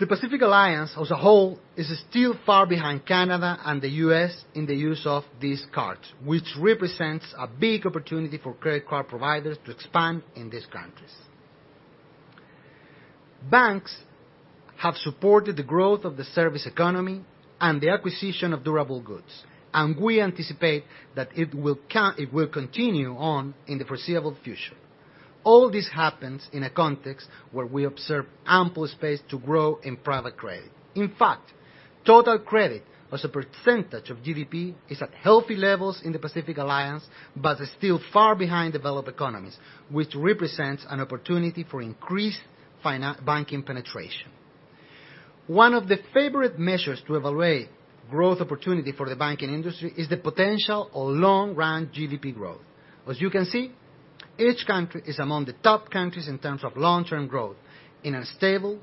The Pacific Alliance as a whole is still far behind Canada and the U.S. in the use of these cards, which represents a big opportunity for credit card providers to expand in these countries. Banks have supported the growth of the service economy and the acquisition of durable goods. We anticipate that it will continue on in the foreseeable future. All this happens in a context where we observe ample space to grow in private credit. In fact, total credit as a percentage of GDP is at healthy levels in the Pacific Alliance, but is still far behind developed economies, which represents an opportunity for increased banking penetration. One of the favorite measures to evaluate growth opportunity for the banking industry is the potential of long-run GDP growth. As you can see, each country is among the top countries in terms of long-term growth in a stable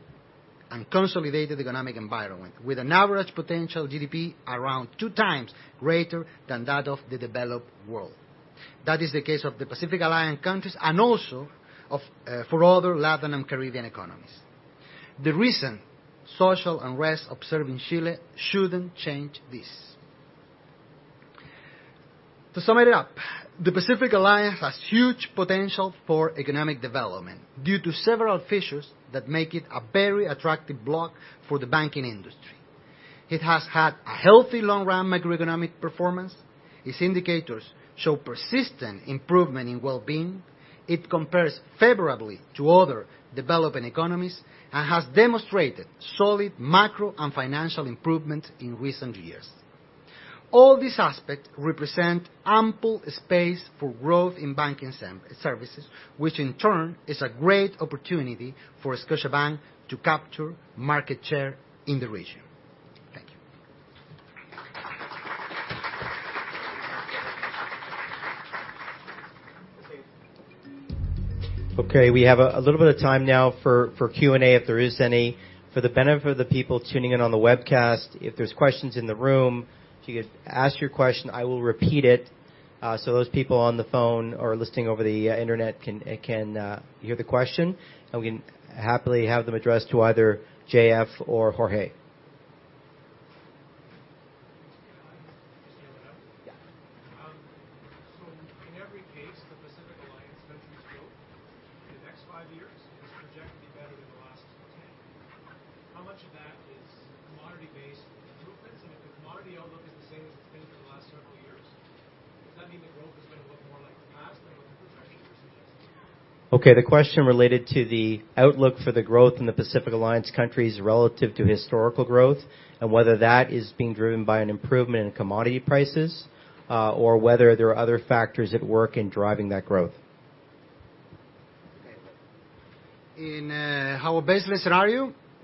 and consolidated economic environment, with an average potential GDP around two times greater than that of the developed world. That is the case of the Pacific Alliance countries and also for other Latin and Caribbean economies. The recent social unrest observed in Chile shouldn't change this. To sum it up, the Pacific Alliance has huge potential for economic development due to several features that make it a very attractive block for the banking industry. It has had a healthy long-run macroeconomic performance. Its indicators show persistent improvement in well-being. It compares favorably to other developing economies and has demonstrated solid macro and financial improvement in recent years. All these aspects represent ample space for growth in banking services, which in turn is a great opportunity for Scotiabank to capture market share in the region. Thank you. Okay, we have a little bit of time now for Q&A, if there is any. For the benefit of the people tuning in on the webcast, if there is questions in the room, if you could ask your question, I will repeat it, so those people on the phone or listening over the internet can hear the question, and we can happily have them addressed to either J.F. or Jorge.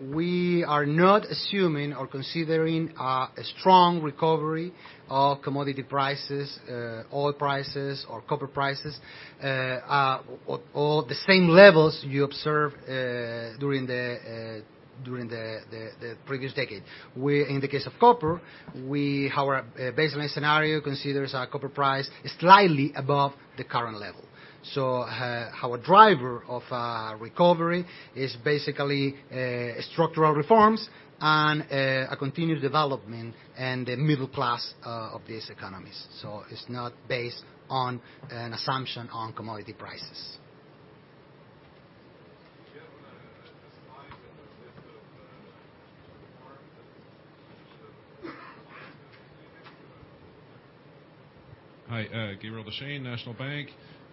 we are not assuming or considering a strong recovery of commodity prices, oil prices, or copper prices, or the same levels you observed during the previous decade. In the case of copper, our baseline scenario considers our copper price slightly above the current level. Our driver of recovery is basically structural reforms and a continued development in the middle class of these economies. It's not based on an assumption on commodity prices. Hi, Gabriel Dechaine, National Bank.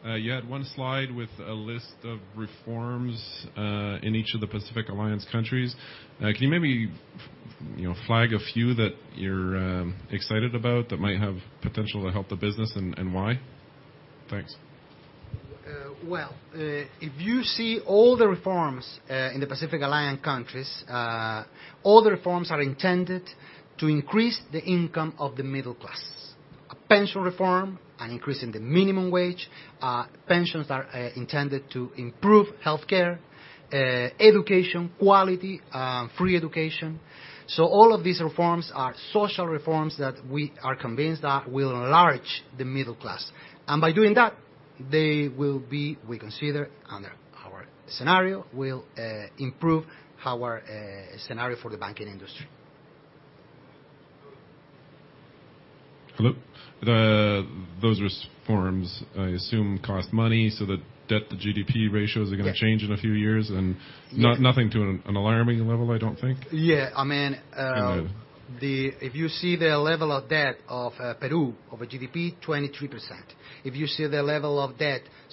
You had one slide with a list of reforms in each of the Pacific Alliance countries. Can you maybe flag a few that you're excited about that might have potential to help the business, and why? Thanks. Well, if you see all the reforms in the Pacific Alliance countries, all the reforms are intended to increase the income of the middle class. A pension reform, an increase in the minimum wage. Pensions are intended to improve healthcare, education quality, free education. All of these reforms are social reforms that we are convinced that will enlarge the middle class. By doing that, we consider, under our scenario, will improve our scenario for the banking industry. Hello. Those reforms, I assume, cost money so the debt-to-GDP ratios are going to change. Yeah In a few years, and nothing to an alarming level, I don't think? If you see the level of debt of Peru over GDP, 23%. If you see the level of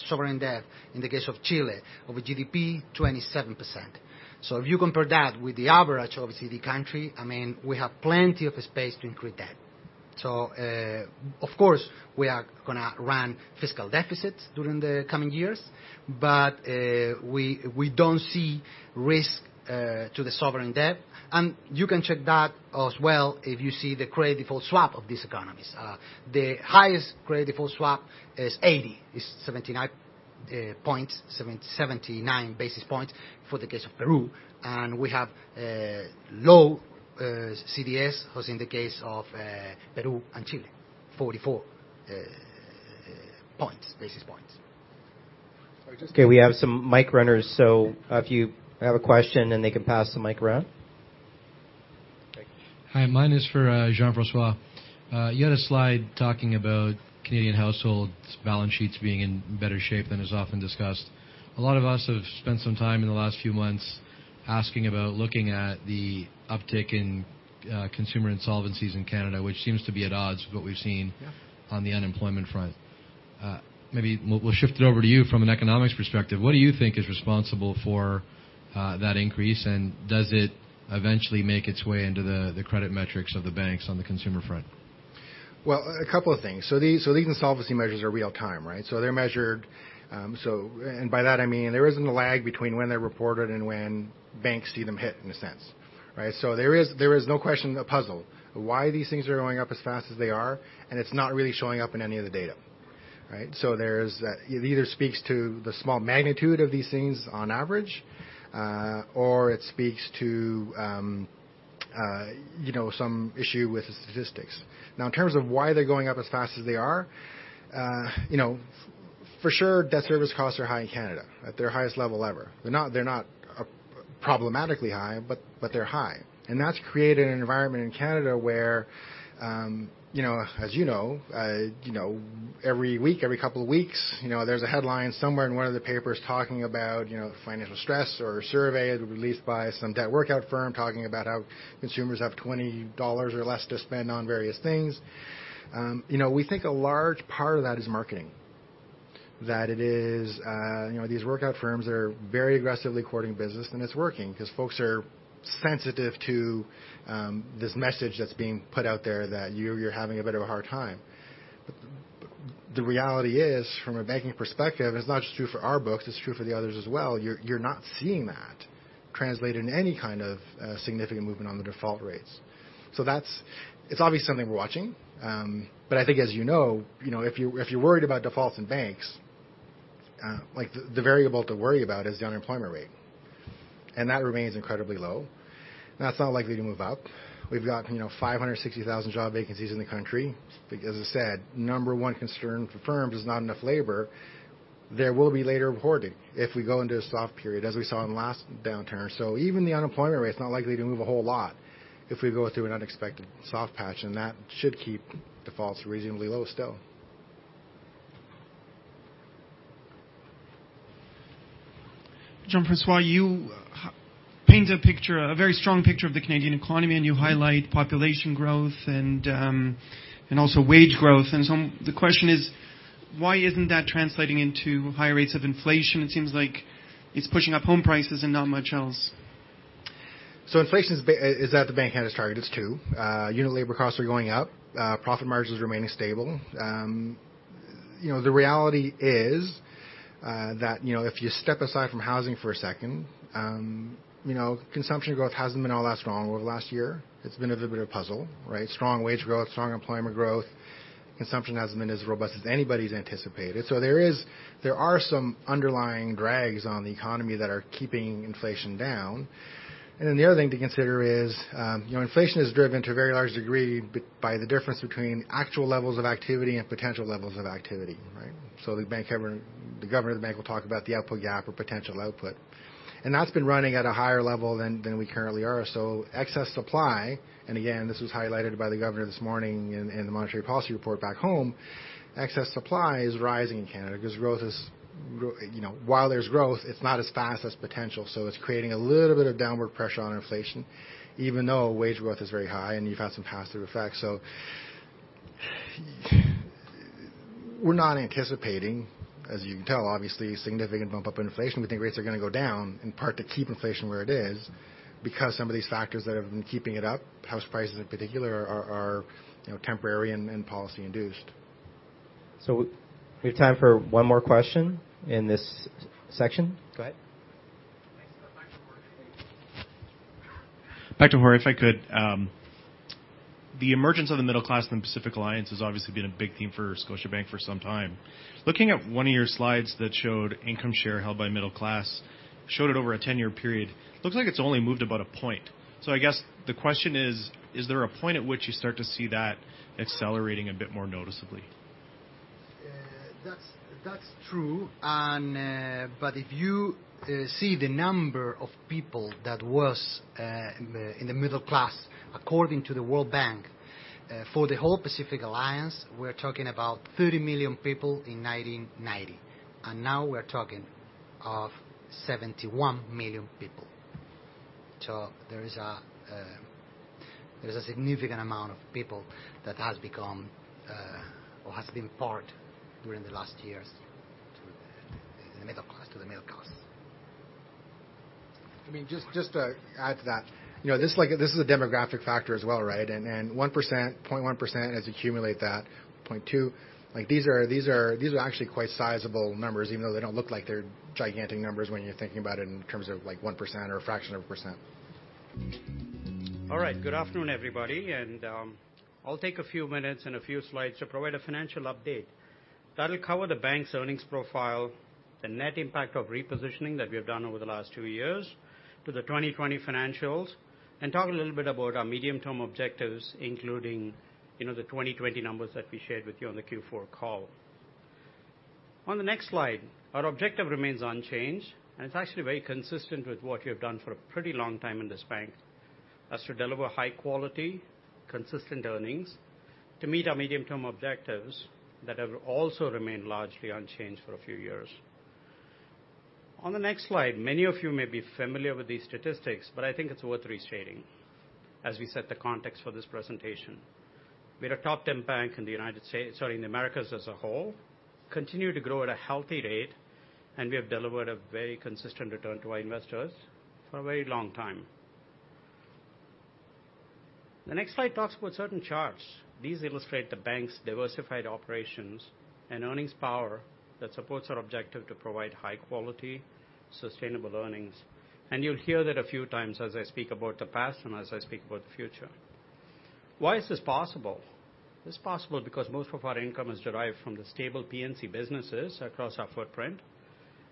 sovereign debt in the case of Chile, over GDP, 27%. If you compare that with the average of the country, we have plenty of space to increase debt. Of course, we are going to run fiscal deficits during the coming years. We don't see risk to the sovereign debt. You can check that as well if you see the credit default swap of these economies. The highest credit default swap is 79 points, 79 basis points for the case of Peru. We have low CDS, as in the case of Peru and Chile, 44 basis points. Okay, we have some mic runners, so if you have a question then they can pass the mic around. Hi. Mine is for Jean-François. You had a slide talking about Canadian households' balance sheets being in better shape than is often discussed. A lot of us have spent some time in the last few months asking about looking at the uptick in consumer insolvencies in Canada, which seems to be at odds with what we've seen. Yeah On the unemployment front. Maybe we'll shift it over to you from an economics perspective. What do you think is responsible for that increase, and does it eventually make its way into the credit metrics of the banks on the consumer front? Well, a couple of things. These insolvency measures are real time, right? They're measured. By that I mean there isn't a lag between when they're reported and when banks see them hit, in a sense. Right? There is no question the puzzle of why these things are going up as fast as they are, and it's not really showing up in any of the data. Right? It either speaks to the small magnitude of these things on average, or it speaks to some issue with the statistics. Now, in terms of why they're going up as fast as they are, for sure, debt service costs are high in Canada, at their highest level ever. They're not problematically high, but they're high. That's created an environment in Canada where as you know every week, every couple of weeks, there's a headline somewhere in one of the papers talking about financial stress or a survey that was released by some debt workout firm talking about how consumers have 20 dollars or less to spend on various things. We think a large part of that is marketing. That it is these workout firms are very aggressively courting business, and it's working because folks are sensitive to this message that's being put out there that you're having a bit of a hard time. The reality is, from a banking perspective, it's not just true for our books, it's true for the others as well, you're not seeing that translate into any kind of significant movement on the default rates. It's obviously something we're watching. I think as you know, if you're worried about defaults in banks, the variable to worry about is the unemployment rate, and that remains incredibly low, and that's not likely to move up. We've got 560,000 job vacancies in the country. As I said, number 1 concern for firms is not enough labor. There will be later reporting if we go into a soft period, as we saw in the last downturn. Even the unemployment rate is not likely to move a whole lot if we go through an unexpected soft patch, and that should keep defaults reasonably low still. Jean-François, you paint a very strong picture of the Canadian economy, and you highlight population growth and also wage growth. The question is, why isn't that translating into higher rates of inflation? It seems like it's pushing up home prices and not much else. Inflation is at the Bank of Canada's target. It's two. Unit labor costs are going up. Profit margins remaining stable. The reality is that, if you step aside from housing for a second, consumption growth hasn't been all that strong over the last year. It's been a bit of a puzzle, right? Strong wage growth, strong employment growth, consumption hasn't been as robust as anybody's anticipated. There are some underlying drags on the economy that are keeping inflation down. The other thing to consider is inflation is driven, to a very large degree, by the difference between actual levels of activity and potential levels of activity, right? The Governor of the bank will talk about the output gap or potential output. That's been running at a higher level than we currently are. Excess supply, and again, this was highlighted by the Governor this morning in the monetary policy report back home, excess supply is rising in Canada because while there's growth, it's not as fast as potential. It's creating a little bit of downward pressure on inflation, even though wage growth is very high and you've had some pass-through effects. We're not anticipating, as you can tell obviously, significant bump up in inflation. We think rates are going to go down in part to keep inflation where it is because some of these factors that have been keeping it up, house prices in particular, are temporary and policy induced. We have time for one more question in this section. Go ahead. Back to Jorge, if I could. The emergence of the middle class in the Pacific Alliance has obviously been a big theme for Scotiabank for some time. Looking at one of your slides that showed income share held by middle class, showed it over a 10-year period, looks like it's only moved about a point. I guess the question is there a point at which you start to see that accelerating a bit more noticeably? That's true. If you see the number of people that was in the middle class according to the World Bank, for the whole Pacific Alliance, we're talking about 30 million people in 1990, and now we're talking of 71 million people. There is a significant amount of people that has become or has been part during the last years. Just to add to that. This is a demographic factor as well. 1%, 0.1% as you accumulate that, 0.2, these are actually quite sizable numbers, even though they don't look like they're gigantic numbers when you're thinking about it in terms of 1% or a fraction of a percent. All right. Good afternoon, everybody. I'll take a few minutes and a few slides to provide a financial update that'll cover the bank's earnings profile, the net impact of repositioning that we have done over the last two years to the 2020 financials, and talk a little bit about our medium-term objectives, including the 2020 numbers that we shared with you on the Q4 call. On the next slide, our objective remains unchanged, and it's actually very consistent with what we have done for a pretty long time in this bank. That's to deliver high quality, consistent earnings to meet our medium-term objectives that have also remained largely unchanged for a few years. On the next slide, many of you may be familiar with these statistics, but I think it's worth restating as we set the context for this presentation. We're a top 10 bank in the Americas as a whole, continue to grow at a healthy rate, and we have delivered a very consistent return to our investors for a very long time. The next slide talks about certain charts. These illustrate the bank's diversified operations and earnings power that supports our objective to provide high quality, sustainable earnings. You'll hear that a few times as I speak about the past and as I speak about the future. Why is this possible? It's possible because most of our income is derived from the stable P&C businesses across our footprint,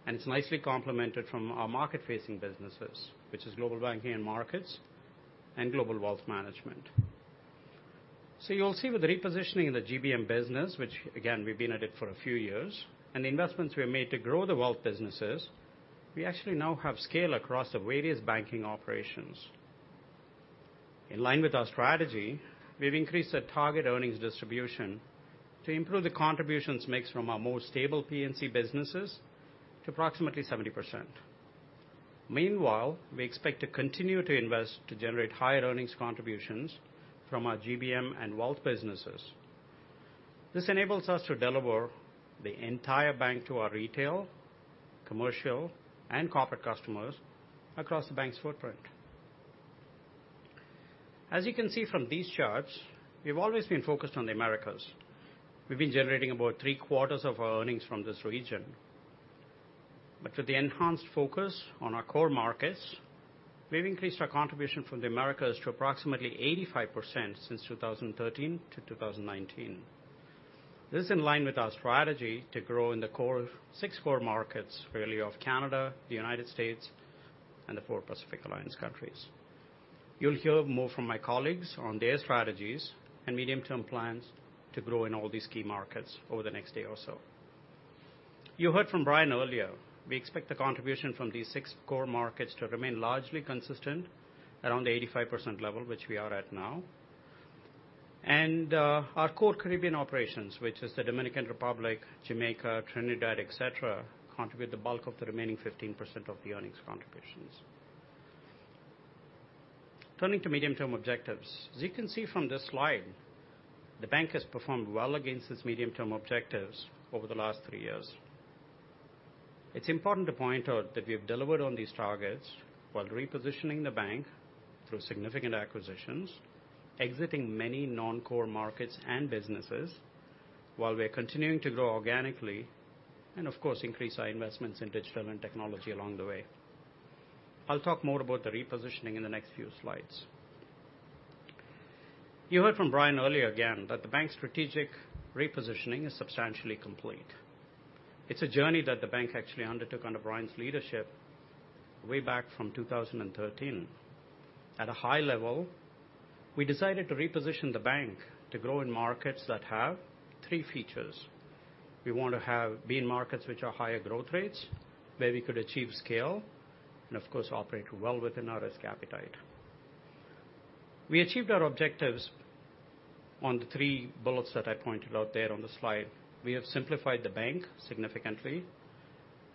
and it's nicely complemented from our market-facing businesses, which is Global Banking and Markets and Global Wealth Management. You'll see with the repositioning in the GBM business, which again, we've been at it for a few years, and the investments we have made to grow the wealth businesses, we actually now have scale across the various banking operations. In line with our strategy, we've increased our target earnings distribution to improve the contributions mix from our more stable P&C businesses to approximately 70%. Meanwhile, we expect to continue to invest to generate higher earnings contributions from our GBM and wealth businesses. This enables us to deliver the entire bank to our retail, commercial, and corporate customers across the bank's footprint. As you can see from these charts, we've always been focused on the Americas. We've been generating about three-quarters of our earnings from this region. With the enhanced focus on our core markets, we've increased our contribution from the Americas to approximately 85% since 2013-2019. This is in line with our strategy to grow in the six core markets really of Canada, the U.S., and the four Pacific Alliance countries. You'll hear more from my colleagues on their strategies and medium-term plans to grow in all these key markets over the next day or so. You heard from Brian earlier. We expect the contribution from these six core markets to remain largely consistent around the 85% level, which we are at now. Our core Caribbean operations, which is the Dominican Republic, Jamaica, Trinidad, et cetera, contribute the bulk of the remaining 15% of the earnings contributions. Turning to medium-term objectives. As you can see from this slide, the bank has performed well against its medium-term objectives over the last three years. It is important to point out that we have delivered on these targets while repositioning the bank through significant acquisitions, exiting many non-core markets and businesses while we are continuing to grow organically, and of course, increase our investments in digital and technology along the way. I will talk more about the repositioning in the next few slides. You heard from Brian earlier again, that the bank's strategic repositioning is substantially complete. It is a journey that the bank actually undertook under Brian's leadership way back from 2013. At a high level, we decided to reposition the bank to grow in markets that have three features. We want to be in markets which are higher growth rates, where we could achieve scale, and of course, operate well within our risk appetite. We achieved our objectives on the three bullets that I pointed out there on the slide. We have simplified the bank significantly.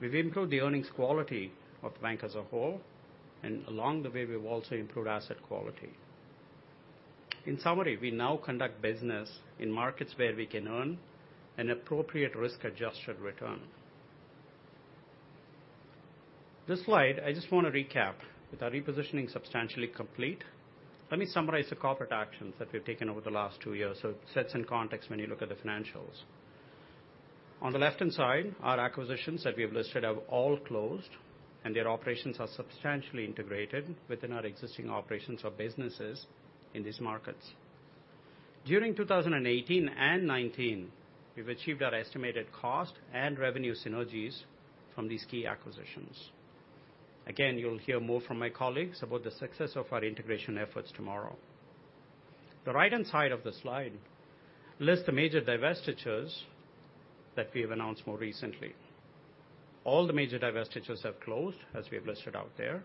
We've improved the earnings quality of the bank as a whole. Along the way, we've also improved asset quality. In summary, we now conduct business in markets where we can earn an appropriate risk-adjusted return. This slide, I just want to recap. With our repositioning substantially complete, let me summarize the corporate actions that we've taken over the last two years so it sets in context when you look at the financials. On the left-hand side, our acquisitions that we have listed have all closed, and their operations are substantially integrated within our existing operations or businesses in these markets. During 2018 and 2019, we've achieved our estimated cost and revenue synergies from these key acquisitions. You'll hear more from my colleagues about the success of our integration efforts tomorrow. The right-hand side of the slide lists the major divestitures that we have announced more recently. All the major divestitures have closed, as we have listed out there,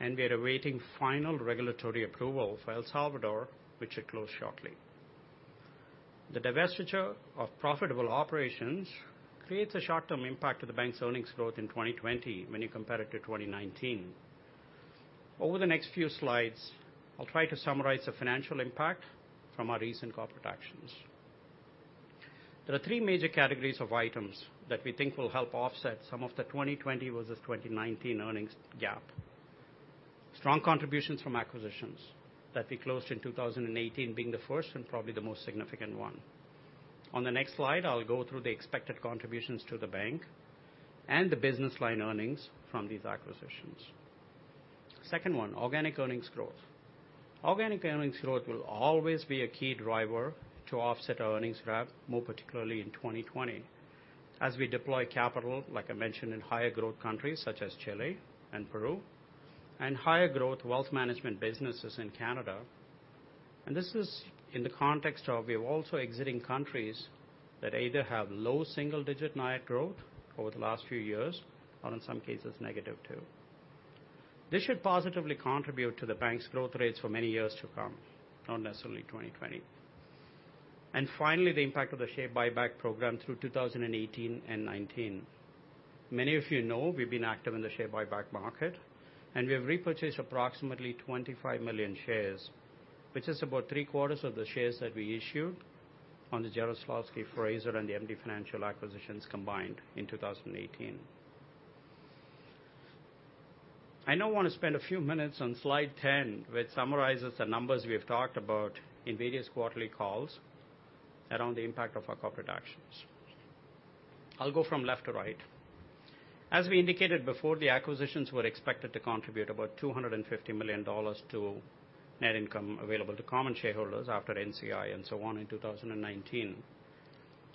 and we are awaiting final regulatory approval for El Salvador, which should close shortly. The divestiture of profitable operations creates a short-term impact to the bank's earnings growth in 2020 when you compare it to 2019. Over the next few slides, I'll try to summarize the financial impact from our recent corporate actions. There are three major categories of items that we think will help offset some of the 2020 versus 2019 earnings gap. Strong contributions from acquisitions that we closed in 2018 being the first and probably the most significant one. On the next slide, I'll go through the expected contributions to the bank and the business line earnings from these acquisitions. Second one, organic earnings growth. Organic earnings growth will always be a key driver to offset our earnings gap, more particularly in 2020, as we deploy capital, like I mentioned, in higher growth countries such as Chile and Peru, and higher growth wealth management businesses in Canada. This is in the context of we're also exiting countries that either have low single-digit NIAT growth over the last few years, or in some cases negative too. This should positively contribute to the bank's growth rates for many years to come, not necessarily 2020. Finally, the impact of the share buyback program through 2018 and 2019. Many of you know we've been active in the share buyback market, and we have repurchased approximately 25 million shares, which is about three-quarters of the shares that we issued on the Jarislowsky Fraser and the MD Financial Management acquisitions combined in 2018. I now want to spend a few minutes on slide 10, which summarizes the numbers we have talked about in various quarterly calls around the impact of our corporate actions. I'll go from left to right. As we indicated before, the acquisitions were expected to contribute about 250 million dollars to net income available to common shareholders after NCI and so on in 2019.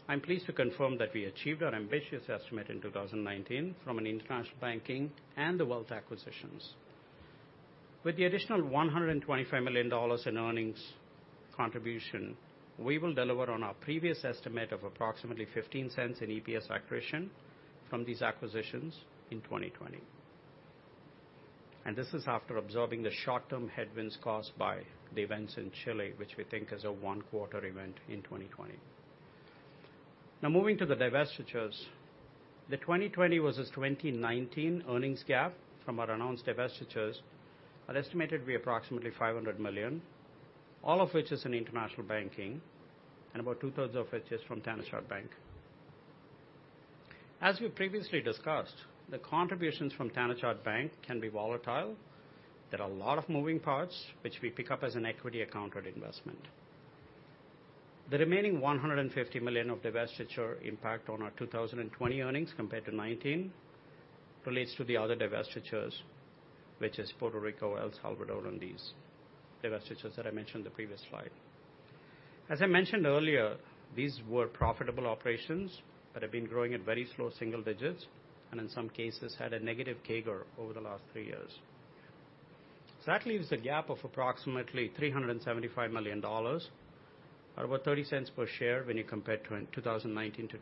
I'm pleased to confirm that we achieved our ambitious estimate in 2019 from an international banking and the wealth acquisitions. With the additional 125 million dollars in earnings contribution, we will deliver on our previous estimate of approximately 0.15 in EPS accretion from these acquisitions in 2020. This is after absorbing the short-term headwinds caused by the events in Chile, which we think is a one-quarter event in 2020. Now, moving to the divestitures. The 2020 versus 2019 earnings gap from our announced divestitures are estimated to be approximately 500 million, all of which is in international banking, and about two-thirds of it is from Thanachart Bank. As we previously discussed, the contributions from Thanachart Bank can be volatile. There are a lot of moving parts, which we pick up as an equity accounted investment. The remaining 150 million of divestiture impact on our 2020 earnings compared to 2019 relates to the other divestitures, which is Puerto Rico, El Salvador, and these divestitures that I mentioned in the previous slide. As I mentioned earlier, these were profitable operations that have been growing at very slow single digits, and in some cases had a negative CAGR over the last three years. That leaves a gap of approximately 375 million dollars, or about 0.30 per share when you compare 2019-2020.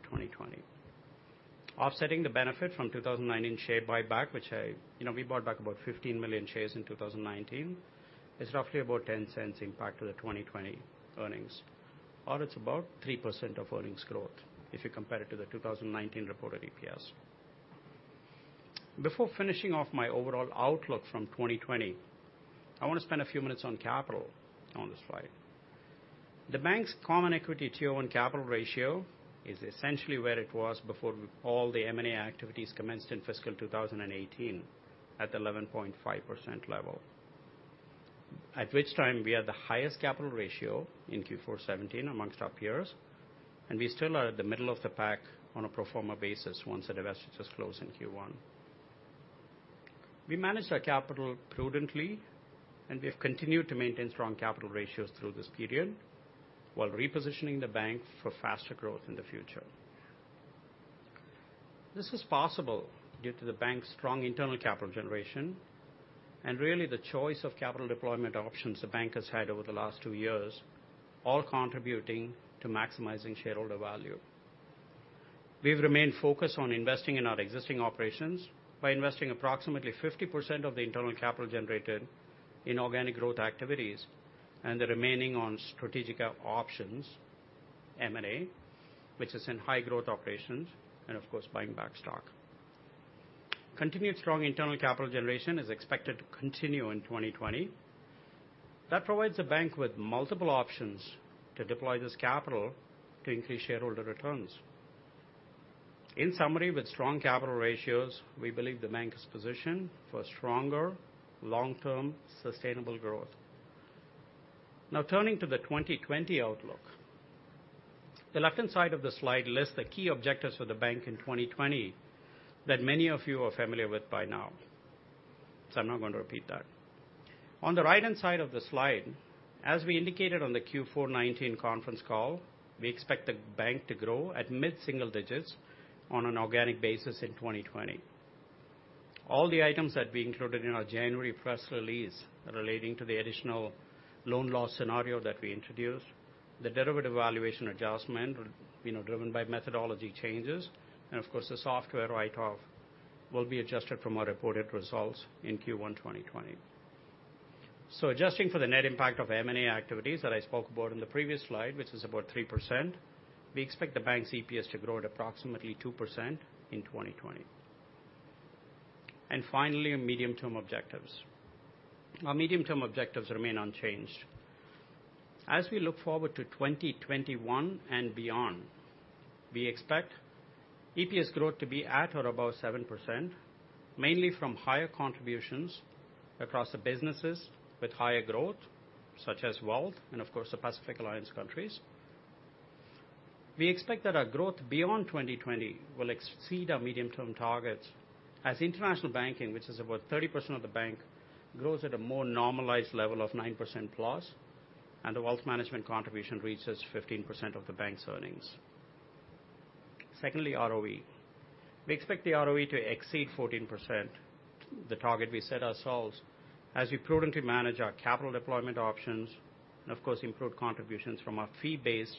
Offsetting the benefit from 2019 share buyback, which we bought back about 15 million shares in 2019, is roughly about 0.10 impact to the 2020 earnings. It's about 3% of earnings growth if you compare it to the 2019 reported EPS. Before finishing off my overall outlook from 2020, I want to spend a few minutes on capital on this slide. The bank's Common Equity Tier 1 capital ratio is essentially where it was before all the M&A activities commenced in fiscal 2018 at 11.5% level. At which time, we had the highest capital ratio in Q4 2017 amongst our peers, and we still are at the middle of the pack on a pro forma basis once the divestitures close in Q1. We managed our capital prudently, and we have continued to maintain strong capital ratios through this period while repositioning the bank for faster growth in the future. This is possible due to the bank's strong internal capital generation and really the choice of capital deployment options the bank has had over the last two years, all contributing to maximizing shareholder value. We've remained focused on investing in our existing operations by investing approximately 50% of the internal capital generated in organic growth activities and the remaining on strategic options, M&A, which is in high growth operations, and of course, buying back stock. Continued strong internal capital generation is expected to continue in 2020. That provides the bank with multiple options to deploy this capital to increase shareholder returns. In summary, with strong capital ratios, we believe the bank is positioned for stronger long-term sustainable growth. Now, turning to the 2020 outlook. The left-hand side of the slide lists the key objectives for the bank in 2020 that many of you are familiar with by now, so I'm not going to repeat that. On the right-hand side of the slide, as we indicated on the Q4 2019 conference call, we expect the bank to grow at mid-single digits on an organic basis in 2020. All the items that we included in our January press release relating to the additional loan loss scenario that we introduced, the derivative valuation adjustment driven by methodology changes, and of course, the software write-off will be adjusted from our reported results in Q1 2020. Adjusting for the net impact of M&A activities that I spoke about in the previous slide, which is about 3%, we expect the bank's EPS to grow at approximately 2% in 2020. Finally, our medium-term objectives. Our medium-term objectives remain unchanged. As we look forward to 2021 and beyond, we expect EPS growth to be at or above 7%, mainly from higher contributions across the businesses with higher growth, such as Wealth and, of course, the Pacific Alliance countries. We expect that our growth beyond 2020 will exceed our medium-term targets as international banking, which is about 30% of the bank, grows at a more normalized level of 9% plus, and the wealth management contribution reaches 15% of the bank's earnings. Secondly, ROE. We expect the ROE to exceed 14%, the target we set ourselves as we prudently manage our capital deployment options and, of course, improve contributions from our fee-based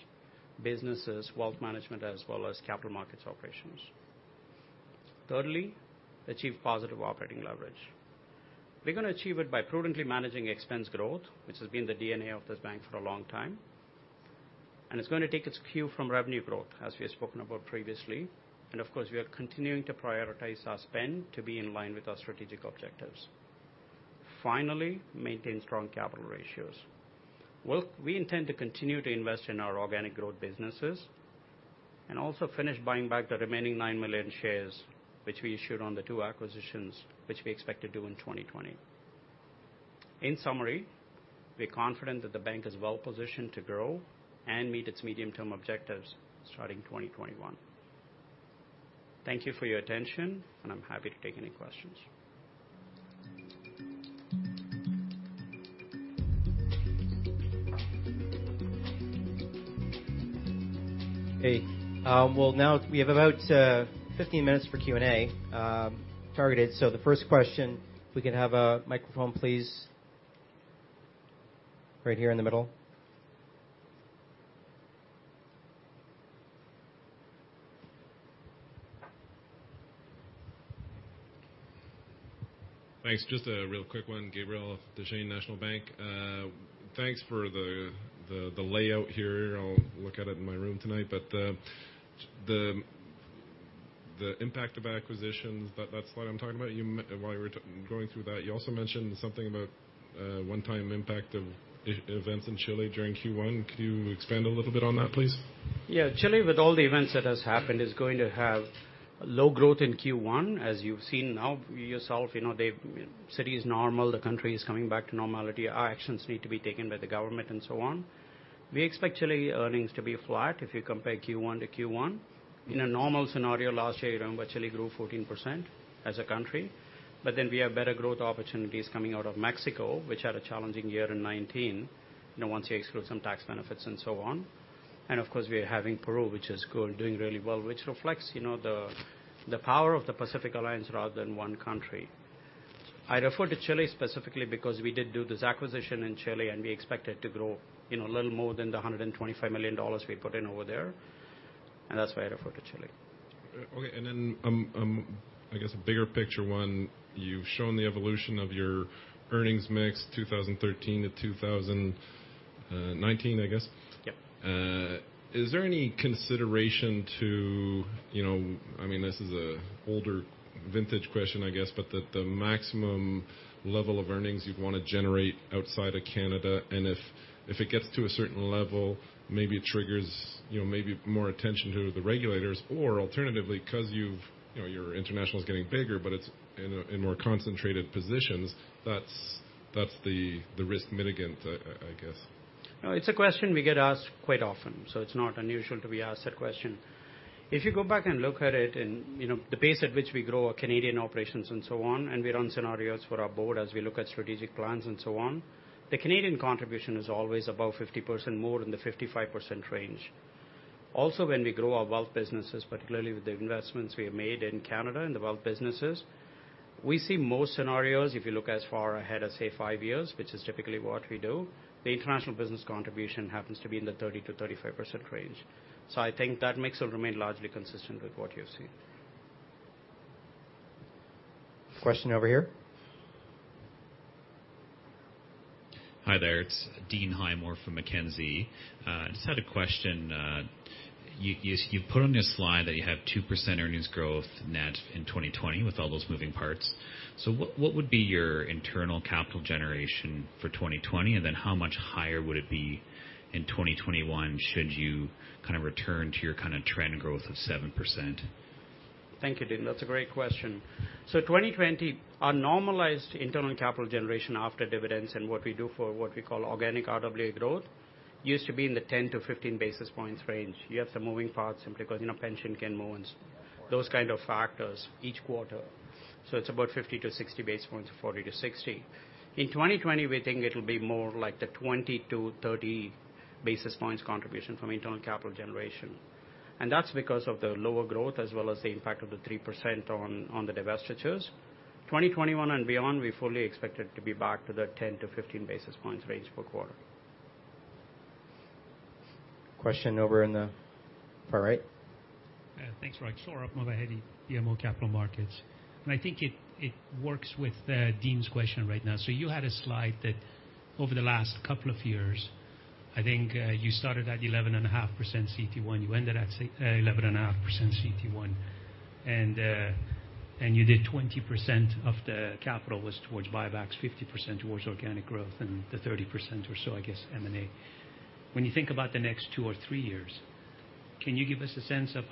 businesses, wealth management, as well as capital markets operations. Thirdly, achieve positive operating leverage. We're going to achieve it by prudently managing expense growth, which has been the DNA of this bank for a long time. It's going to take its cue from revenue growth, as we have spoken about previously, and of course, we are continuing to prioritize our spend to be in line with our strategic objectives. Finally, maintain strong capital ratios. We intend to continue to invest in our organic growth businesses and also finish buying back the remaining nine million shares, which we issued on the two acquisitions, which we expect to do in 2020. In summary, we're confident that the bank is well positioned to grow and meet its medium-term objectives starting 2021. Thank you for your attention, and I'm happy to take any questions. Hey. Well, now we have about 15 minutes for Q&A targeted. The first question, if we could have a microphone, please. Right here in the middle. Thanks. Just a real quick one. Gabriel Dechaine, National Bank. Thanks for the layout here. I'll look at it in my room tonight. The impact of acquisitions, that slide I'm talking about while you were going through that, you also mentioned something about one-time impact of events in Chile during Q1. Could you expand a little bit on that, please? Yeah. Chile, with all the events that has happened, is going to have low growth in Q1, as you've seen now yourself. The city is normal. The country is coming back to normality. Actions need to be taken by the government and so on. We expect Chile earnings to be flat if you compare Q1 to Q1. In a normal scenario last year, you remember Chile grew 14% as a country. We have better growth opportunities coming out of Mexico, which had a challenging year in 2019 once you exclude some tax benefits and so on. Of course, we are having Peru, which is doing really well, which reflects the power of the Pacific Alliance rather than one country. I referred to Chile specifically because we did do this acquisition in Chile, and we expect it to grow a little more than the 125 million dollars we put in over there, and that's why I referred to Chile. Okay. I guess a bigger picture one. You've shown the evolution of your earnings mix 2013-2019, I guess. Yep. Is there any consideration, this is an older vintage question, I guess, but the maximum level of earnings you'd want to generate outside of Canada, if it gets to a certain level, maybe it triggers more attention to the regulators or alternatively, because your international is getting bigger, but it's in more concentrated positions. That's the risk mitigant, I guess. No, it's a question we get asked quite often. It's not unusual to be asked that question. If you go back and look at it and the pace at which we grow our Canadian operations and so on, and we run scenarios for our board as we look at strategic plans and so on. The Canadian contribution is always above 50%, more in the 55% range. Also, when we grow our wealth businesses, particularly with the investments we have made in Canada in the wealth businesses, we see most scenarios, if you look as far ahead as, say, five years, which is typically what we do, the international business contribution happens to be in the 30%-35% range. I think that mix will remain largely consistent with what you're seeing. Question over here. Hi there. It's Dean Highmoor from Mackenzie. I just had a question. You put on your slide that you have 2% earnings growth net in 2020 with all those moving parts. What would be your internal capital generation for 2020? How much higher would it be in 2021 should you kind of return to your kind of trend growth of 7%? Thank you, Dean. That's a great question. 2020, our normalized internal capital generation after dividends and what we do for what we call organic RWA growth used to be in the 10-15 basis points range. You have some moving parts simply because pension can move and those kind of factors each quarter. It's about 50-60 basis points or 40-60. In 2020, we think it'll be more like the 20-30 basis points contribution from internal capital generation. That's because of the lower growth as well as the impact of the 3% on the divestitures. 2021 and beyond, we fully expect it to be back to the 10-15 basis points range per quarter. Question over in the far right. Yeah, thanks, Sohrab Movahedi, BMO Capital Markets. I think it works with Dean's question right now. You had a slide that over the last couple of years. I think you started at 11.5% CET1. You ended at 11.5% CET1, and you did 20% of the capital was towards buybacks, 50% towards organic growth, and the 30% or so, I guess, M&A. When you think about the next two or three years, can you give us a sense of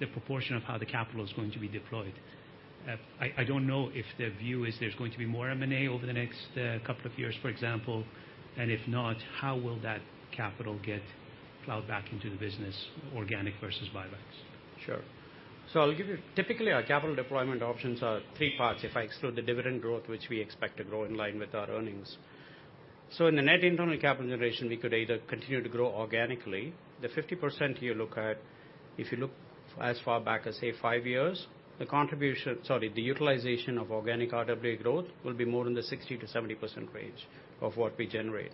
the proportion of how the capital is going to be deployed? I don't know if the view is there's going to be more M&A over the next couple of years, for example. If not, how will that capital get plowed back into the business, organic versus buybacks? I'll give you, typically our capital deployment options are three parts if I exclude the dividend growth, which we expect to grow in line with our earnings. In the net internal capital generation, we could either continue to grow organically. The 50% you look at, if you look as far back as, say, five years, the contribution, sorry, the utilization of organic RWA growth will be more in the 60%-70% range of what we generate.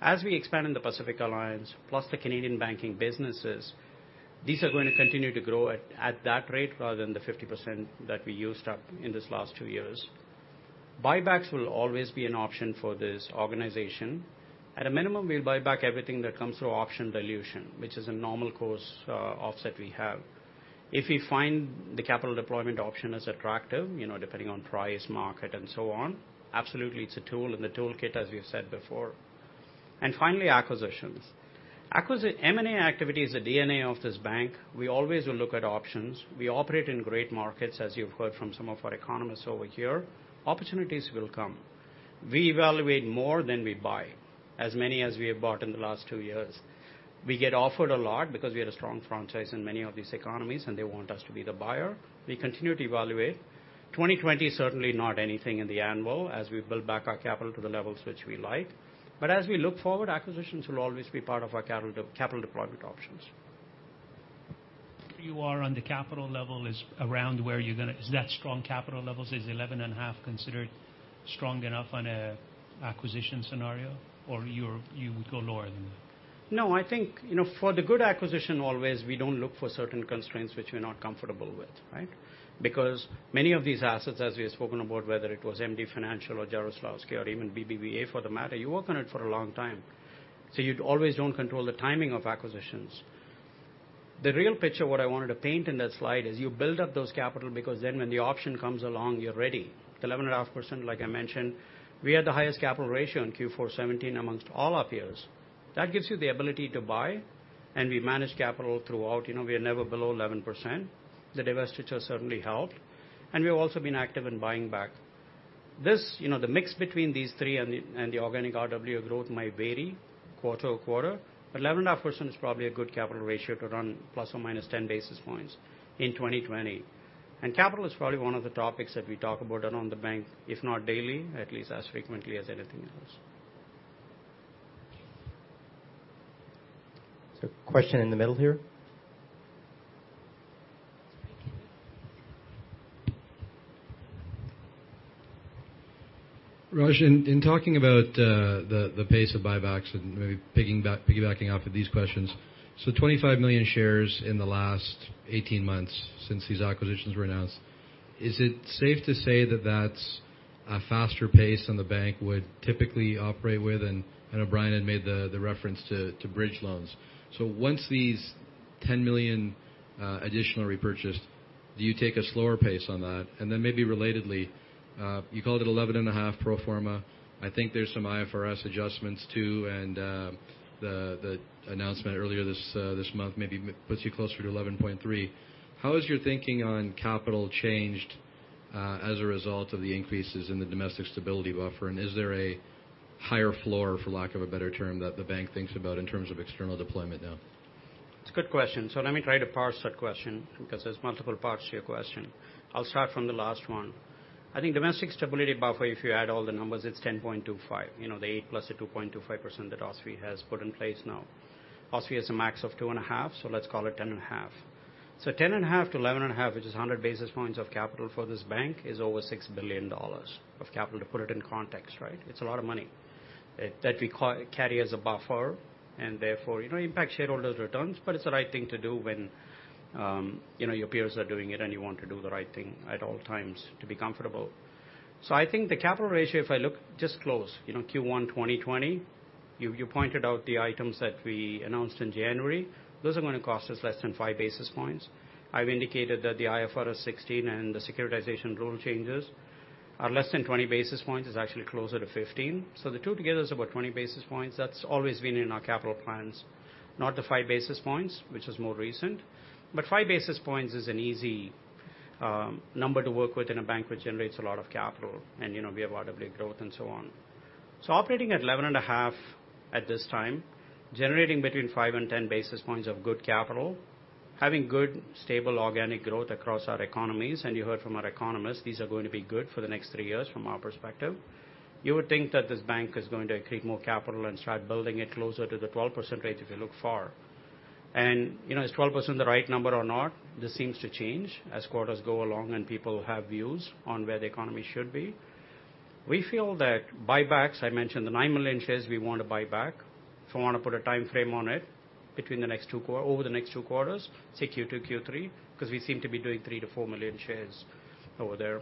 As we expand in the Pacific Alliance plus the Canadian Banking businesses, these are going to continue to grow at that rate rather than the 50% that we used up in these last two years. Buybacks will always be an option for this organization. At a minimum, we'll buy back everything that comes through option dilution, which is a normal course offset we have. If we find the capital deployment option is attractive, depending on price, market, and so on, absolutely it's a tool in the toolkit as we've said before. Finally, acquisitions. M&A activity is the DNA of this bank. We always will look at options. We operate in great markets as you've heard from some of our economists over here. Opportunities will come. We evaluate more than we buy. As many as we have bought in the last two years. We get offered a lot because we had a strong franchise in many of these economies and they want us to be the buyer. We continue to evaluate. 2020's certainly not anything in the annual as we build back our capital to the levels which we like. As we look forward, acquisitions will always be part of our capital deployment options. Is that strong capital levels? Is 11.5 considered strong enough on a acquisition scenario? You would go lower than that? I think, for the good acquisition always we don't look for certain constraints which we're not comfortable with, right? Many of these assets as we have spoken about whether it was MD Financial or Jarislowsky or even BBVA for the matter, you work on it for a long time. You'd always don't control the timing of acquisitions. The real picture what I wanted to paint in that slide is you build up those capital because then when the option comes along you're ready. The 11.5%, like I mentioned, we had the highest capital ratio in Q4 2017 amongst all our peers. That gives you the ability to buy and we manage capital throughout. We are never below 11%. The divestiture certainly helped. We've also been active in buying back. The mix between these three and the organic RWA growth might vary quarter-to-quarter, but 11.5% is probably a good capital ratio to run plus or minus 10 basis points in 2020. Capital is probably one of the topics that we talk about around the bank if not daily, at least as frequently as anything else. There's a question in the middle here. Raj, in talking about the pace of buybacks and maybe piggybacking off of these questions, 25 million shares in the last 18 months since these acquisitions were announced. Is it safe to say that that's a faster pace than the bank would typically operate with? I know Brian had made the reference to bridge loans. Once these 10 million additional repurchased, do you take a slower pace on that? Then maybe relatedly, you called it 11.5 pro forma. I think there's some IFRS adjustments too and the announcement earlier this month maybe puts you closer to 11.3. How has your thinking on capital changed as a result of the increases in the Domestic Stability Buffer and is there a higher floor, for lack of a better term that the bank thinks about in terms of external deployment now? It's a good question. Let me try to parse that question because there's multiple parts to your question. I'll start from the last one. I think Domestic Stability Buffer, if you add all the numbers it's 10.25. The 8 plus the 2.25% that OSFI has put in place now. OSFI has a max of 2.5. Let's call it 10.5. 10.5-11.5, which is 100 basis points of capital for this bank, is over 6 billion dollars of capital to put it in context, right? It's a lot of money that we carry as a buffer and therefore impacts shareholders' returns but it's the right thing to do when your peers are doing it and you want to do the right thing at all times to be comfortable. I think the capital ratio if I look just close, Q1 2020, you pointed out the items that we announced in January. Those are going to cost us less than five basis points. I've indicated that the IFRS 16 and the securitization rule changes are less than 20 basis points. It's actually closer to 15. The two together is about 20 basis points. That's always been in our capital plans. Not the five basis points which is more recent. Five basis points is an easy number to work with in a bank which generates a lot of capital and we have RWA growth and so on. Operating at 11.5% at this time, generating between 5 and 10 basis points of good capital, having good stable organic growth across our economies and you heard from our economists these are going to be good for the next three years from our perspective. You would think that this bank is going to create more capital and start building it closer to the 12% rate if you look far. Is 12% the right number or not? This seems to change as quarters go along and people have views on where the economy should be. We feel that buybacks, I mentioned the 9 million shares we want to buy back. If I want to put a timeframe on it, over the next two quarters, say Q2, Q3, because we seem to be doing 3 million-4 million shares over there.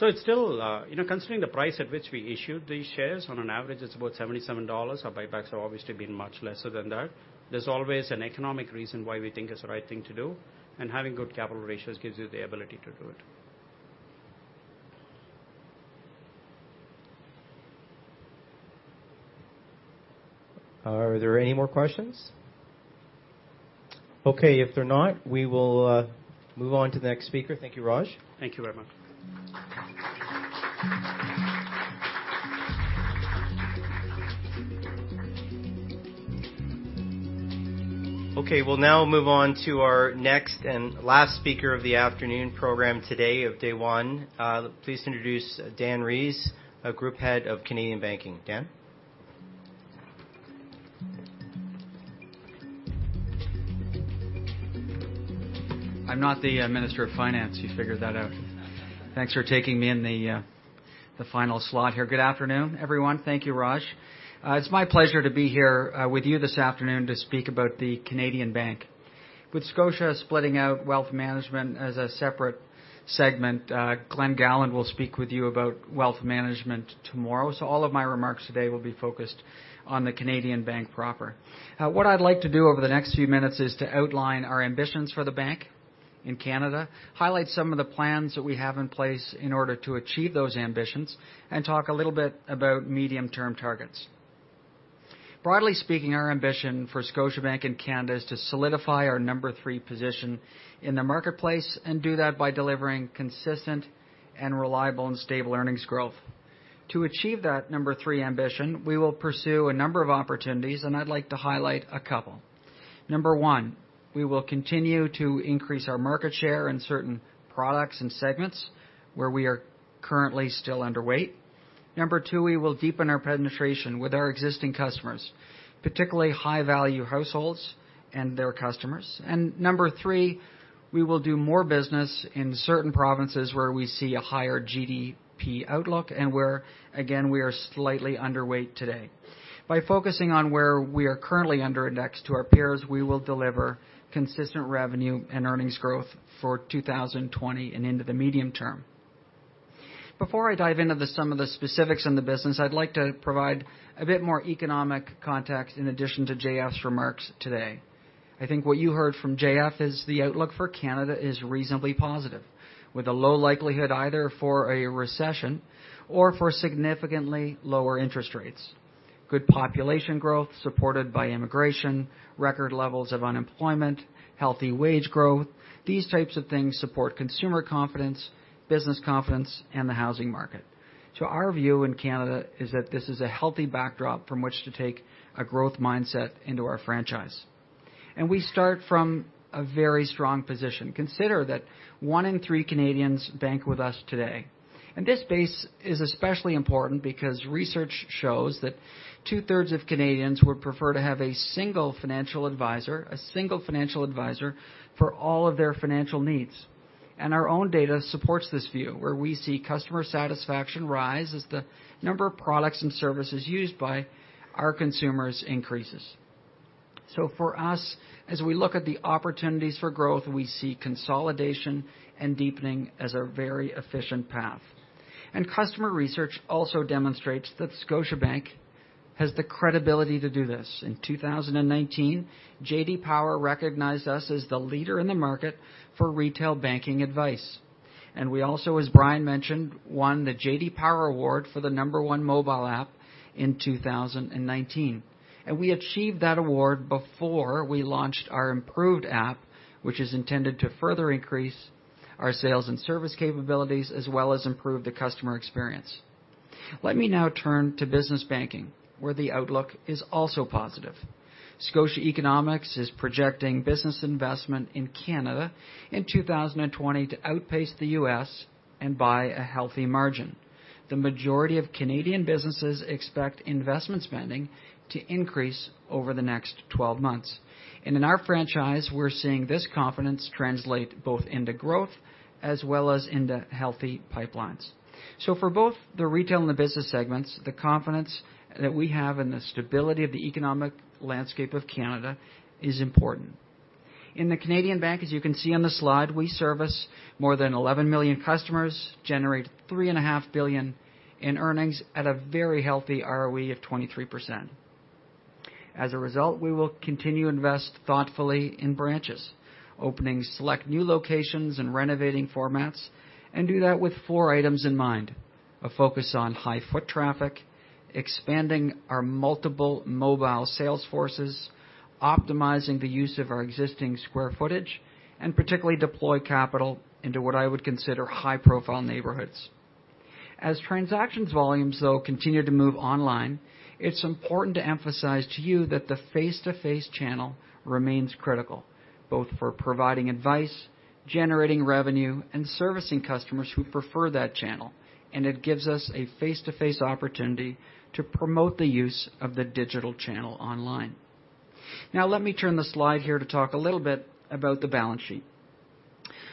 It's still, considering the price at which we issued these shares, on an average, it's about 77 dollars. Our buybacks have obviously been much lesser than that. There's always an economic reason why we think it's the right thing to do, and having good capital ratios gives you the ability to do it. Are there any more questions? Okay, if there are not, we will move on to the next speaker. Thank you, Raj. Thank you very much. We'll now move on to our next and last speaker of the afternoon program today of day one. Please introduce Dan Rees, Group Head of Canadian Banking. Dan. I'm not the Minister of Finance. You figured that out. Thanks for taking me in the final slot here. Good afternoon, everyone. Thank you, Raj. It's my pleasure to be here with you this afternoon to speak about the Canadian bank. With Scotia splitting out wealth management as a separate segment, Glen Gowland will speak with you about wealth management tomorrow. All of my remarks today will be focused on the Canadian Bank proper. What I'd like to do over the next few minutes is to outline our ambitions for the bank in Canada, highlight some of the plans that we have in place in order to achieve those ambitions, and talk a little bit about medium-term targets. Broadly speaking, our ambition for Scotiabank in Canada is to solidify our number 3 position in the marketplace and do that by delivering consistent and reliable, and stable earnings growth. To achieve that number three ambition, we will pursue a number of opportunities, I'd like to highlight a couple. Number 1, we will continue to increase our market share in certain products and segments where we are currently still underweight. Number 2, we will deepen our penetration with our existing customers, particularly high-value households and their customers. Number 3, we will do more business in certain provinces where we see a higher GDP outlook and where, again, we are slightly underweight today. By focusing on where we are currently under indexed to our peers, we will deliver consistent revenue and earnings growth for 2020 and into the medium term. Before I dive into some of the specifics in the business, I'd like to provide a bit more economic context in addition to J.F.'s remarks today. I think what you heard from JF is the outlook for Canada is reasonably positive, with a low likelihood either for a recession or for significantly lower interest rates. Good population growth supported by immigration, record levels of unemployment, healthy wage growth. These types of things support consumer confidence, business confidence, and the housing market. Our view in Canada is that this is a healthy backdrop from which to take a growth mindset into our franchise. We start from a very strong position. Consider that one in three Canadians bank with us today. This base is especially important because research shows that two-thirds of Canadians would prefer to have a single financial advisor for all of their financial needs. Our own data supports this view, where we see customer satisfaction rise as the number of products and services used by our consumers increases. For us, as we look at the opportunities for growth, we see consolidation and deepening as a very efficient path. Customer research also demonstrates that Scotiabank has the credibility to do this. In 2019, J.D. Power recognized us as the leader in the market for retail banking advice. We also, as Brian mentioned, won the J.D. Power Award for the number one mobile app in 2019. We achieved that award before we launched our improved app, which is intended to further increase our sales and service capabilities, as well as improve the customer experience. Let me now turn to business banking, where the outlook is also positive. Scotia Economics is projecting business investment in Canada in 2020 to outpace the U.S. and by a healthy margin. The majority of Canadian businesses expect investment spending to increase over the next 12 months. In our franchise, we're seeing this confidence translate both into growth as well as into healthy pipelines. For both the retail and the business segments, the confidence that we have and the stability of the economic landscape of Canada is important. In the Canadian bank, as you can see on the slide, we service more than 11 million customers, generate three and a half billion in earnings at a very healthy ROE of 23%. As a result, we will continue to invest thoughtfully in branches, opening select new locations and renovating formats, and do that with four items in mind: a focus on high foot traffic, expanding our multiple mobile sales forces, optimizing the use of our existing square footage, and particularly deploy capital into what I would consider high-profile neighborhoods. As transactions volumes though continue to move online, it's important to emphasize to you that the face-to-face channel remains critical, both for providing advice, generating revenue, and servicing customers who prefer that channel, and it gives us a face-to-face opportunity to promote the use of the digital channel online. Now, let me turn the slide here to talk a little bit about the balance sheet.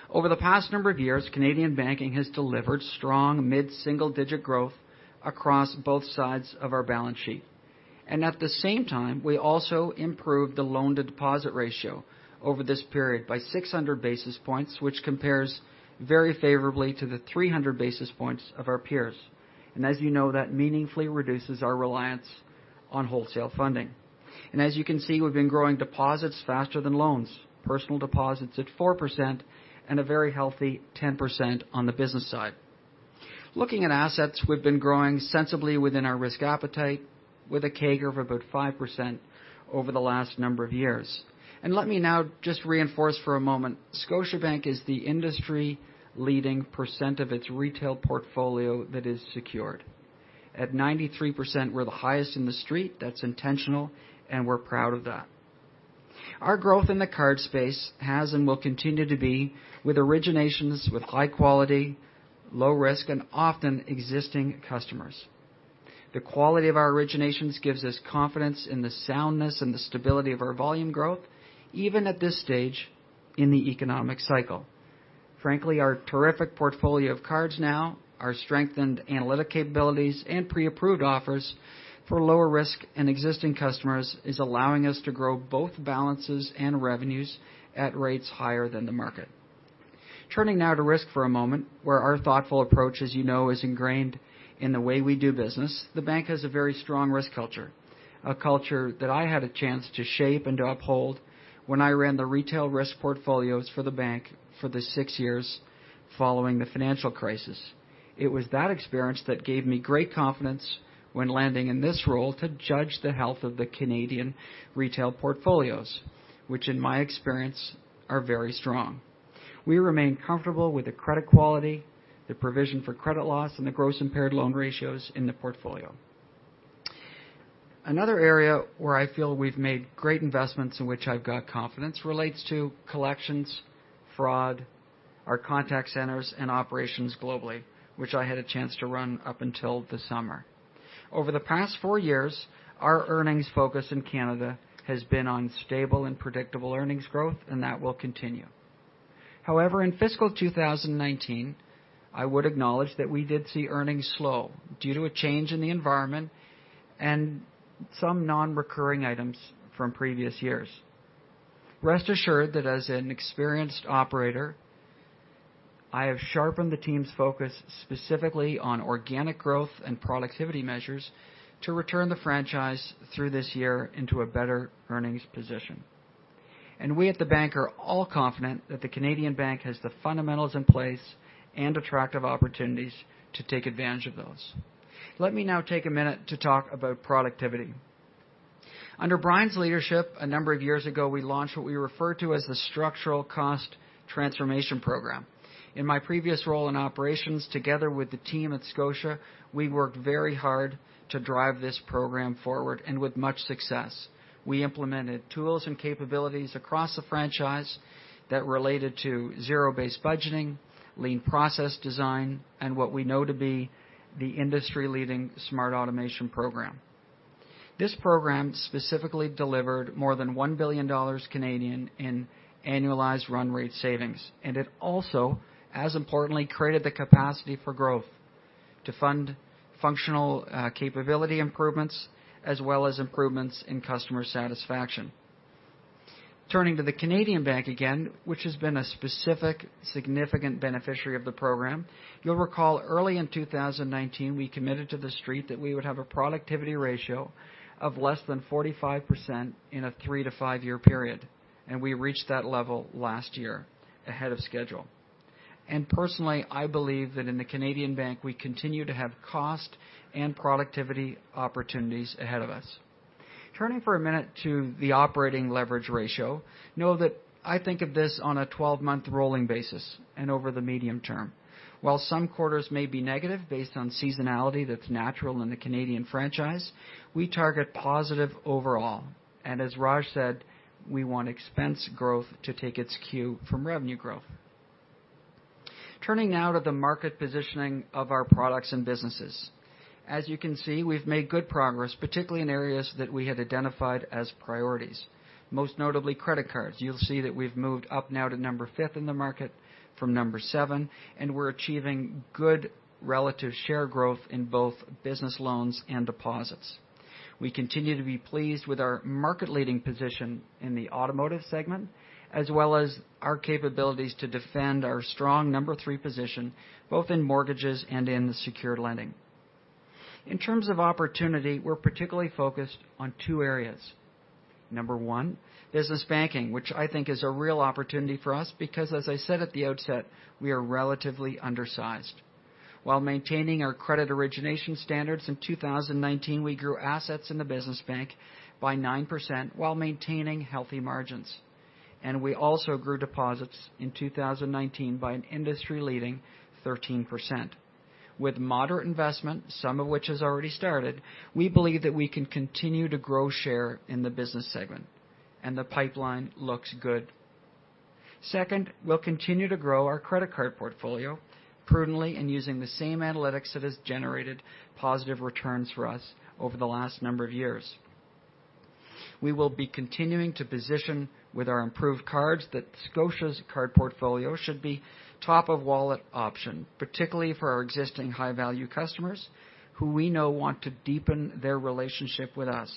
Over the past number of years, Canadian Banking has delivered strong mid-single-digit growth across both sides of our balance sheet. At the same time, we also improved the loan-to-deposit ratio over this period by 600 basis points, which compares very favorably to the 300 basis points of our peers. As you know, that meaningfully reduces our reliance on wholesale funding. As you can see, we've been growing deposits faster than loans, personal deposits at 4%, and a very healthy 10% on the business side. Looking at assets, we've been growing sensibly within our risk appetite with a CAGR of about 5% over the last number of years. Let me now just reinforce for a moment, Scotiabank is the industry leading percent of its retail portfolio that is secured. At 93%, we're the highest in the street, that's intentional, and we're proud of that. Our growth in the card space has and will continue to be with originations with high quality, low risk, and often existing customers. The quality of our originations gives us confidence in the soundness and the stability of our volume growth, even at this stage in the economic cycle. Frankly, our terrific portfolio of cards now, our strengthened analytic capabilities, and pre-approved offers for lower risk and existing customers is allowing us to grow both balances and revenues at rates higher than the market. Turning now to risk for a moment, where our thoughtful approach, as you know, is ingrained in the way we do business. The bank has a very strong risk culture. A culture that I had a chance to shape and to uphold when I ran the retail risk portfolios for the bank for the six years following the financial crisis. It was that experience that gave me great confidence when landing in this role to judge the health of the Canadian retail portfolios, which in my experience, are very strong. We remain comfortable with the credit quality, the provision for credit loss, and the gross impaired loan ratios in the portfolio. Another area where I feel we've made great investments in which I've got confidence relates to collections, fraud, our contact centers, and operations globally, which I had a chance to run up until the summer. Over the past four years, our earnings focus in Canada has been on stable and predictable earnings growth. That will continue. However, in fiscal 2019, I would acknowledge that we did see earnings slow due to a change in the environment and some non-recurring items from previous years. Rest assured that as an experienced operator, I have sharpened the team's focus specifically on organic growth and productivity measures to return the franchise through this year into a better earnings position. We at the bank are all confident that the Canadian bank has the fundamentals in place and attractive opportunities to take advantage of those. Let me now take a minute to talk about productivity. Under Brian's leadership, a number of years ago, we launched what we refer to as the Structural Cost Transformation program. In my previous role in operations, together with the team at Scotia, we worked very hard to drive this program forward and with much success. We implemented tools and capabilities across the franchise that related to zero-based budgeting, lean process design, and what we know to be the industry-leading smart automation program. This program specifically delivered more than 1 billion Canadian dollars in annualized run rate savings, and it also, as importantly, created the capacity for growth to fund functional capability improvements as well as improvements in customer satisfaction. Turning to the Canadian bank again, which has been a specific significant beneficiary of the program. You'll recall early in 2019, we committed to the Street that we would have a productivity ratio of less than 45% in a 3-5 year period, and we reached that level last year ahead of schedule. Personally, I believe that in the Canadian bank, we continue to have cost and productivity opportunities ahead of us. Turning for a minute to the operating leverage ratio. Know that I think of this on a 12-month rolling basis and over the medium term. While some quarters may be negative based on seasonality that's natural in the Canadian franchise, we target positive overall. As Raj said, we want expense growth to take its cue from revenue growth. Turning now to the market positioning of our products and businesses. As you can see, we've made good progress, particularly in areas that we had identified as priorities, most notably credit cards. You'll see that we've moved up now to number 5 in the market from number 7. We're achieving good relative share growth in both business loans and deposits. We continue to be pleased with our market-leading position in the automotive segment, as well as our capabilities to defend our strong number 3 position, both in mortgages and in the secured lending. In terms of opportunity, we're particularly focused on two areas. Number 1, business banking, which I think is a real opportunity for us because, as I said at the outset, we are relatively undersized. While maintaining our credit origination standards in 2019, we grew assets in the business bank by 9% while maintaining healthy margins. We also grew deposits in 2019 by an industry-leading 13%. With moderate investment, some of which has already started, we believe that we can continue to grow share in the business segment, and the pipeline looks good. Second, we'll continue to grow our credit card portfolio prudently and using the same analytics that has generated positive returns for us over the last number of years. We will be continuing to position with our improved cards that Scotia's card portfolio should be top-of-wallet option, particularly for our existing high-value customers who we know want to deepen their relationship with us,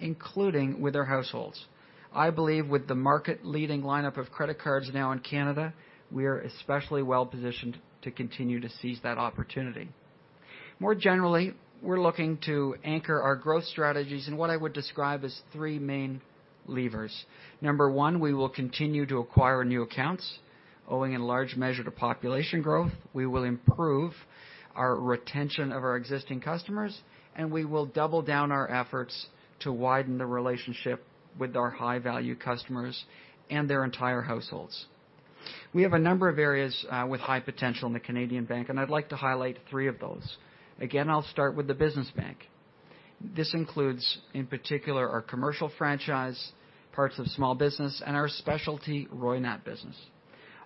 including with their households. I believe with the market-leading lineup of credit cards now in Canada, we are especially well-positioned to continue to seize that opportunity. More generally, we're looking to anchor our growth strategies in what I would describe as three main levers. Number one, we will continue to acquire new accounts owing in large measure to population growth. We will improve our retention of our existing customers, and we will double down our efforts to widen the relationship with our high-value customers and their entire households. We have a number of areas with high potential in the Canadian bank, and I'd like to highlight three of those. I'll start with the business bank. This includes, in particular, our commercial franchise, parts of small business, and our specialty Roynat business.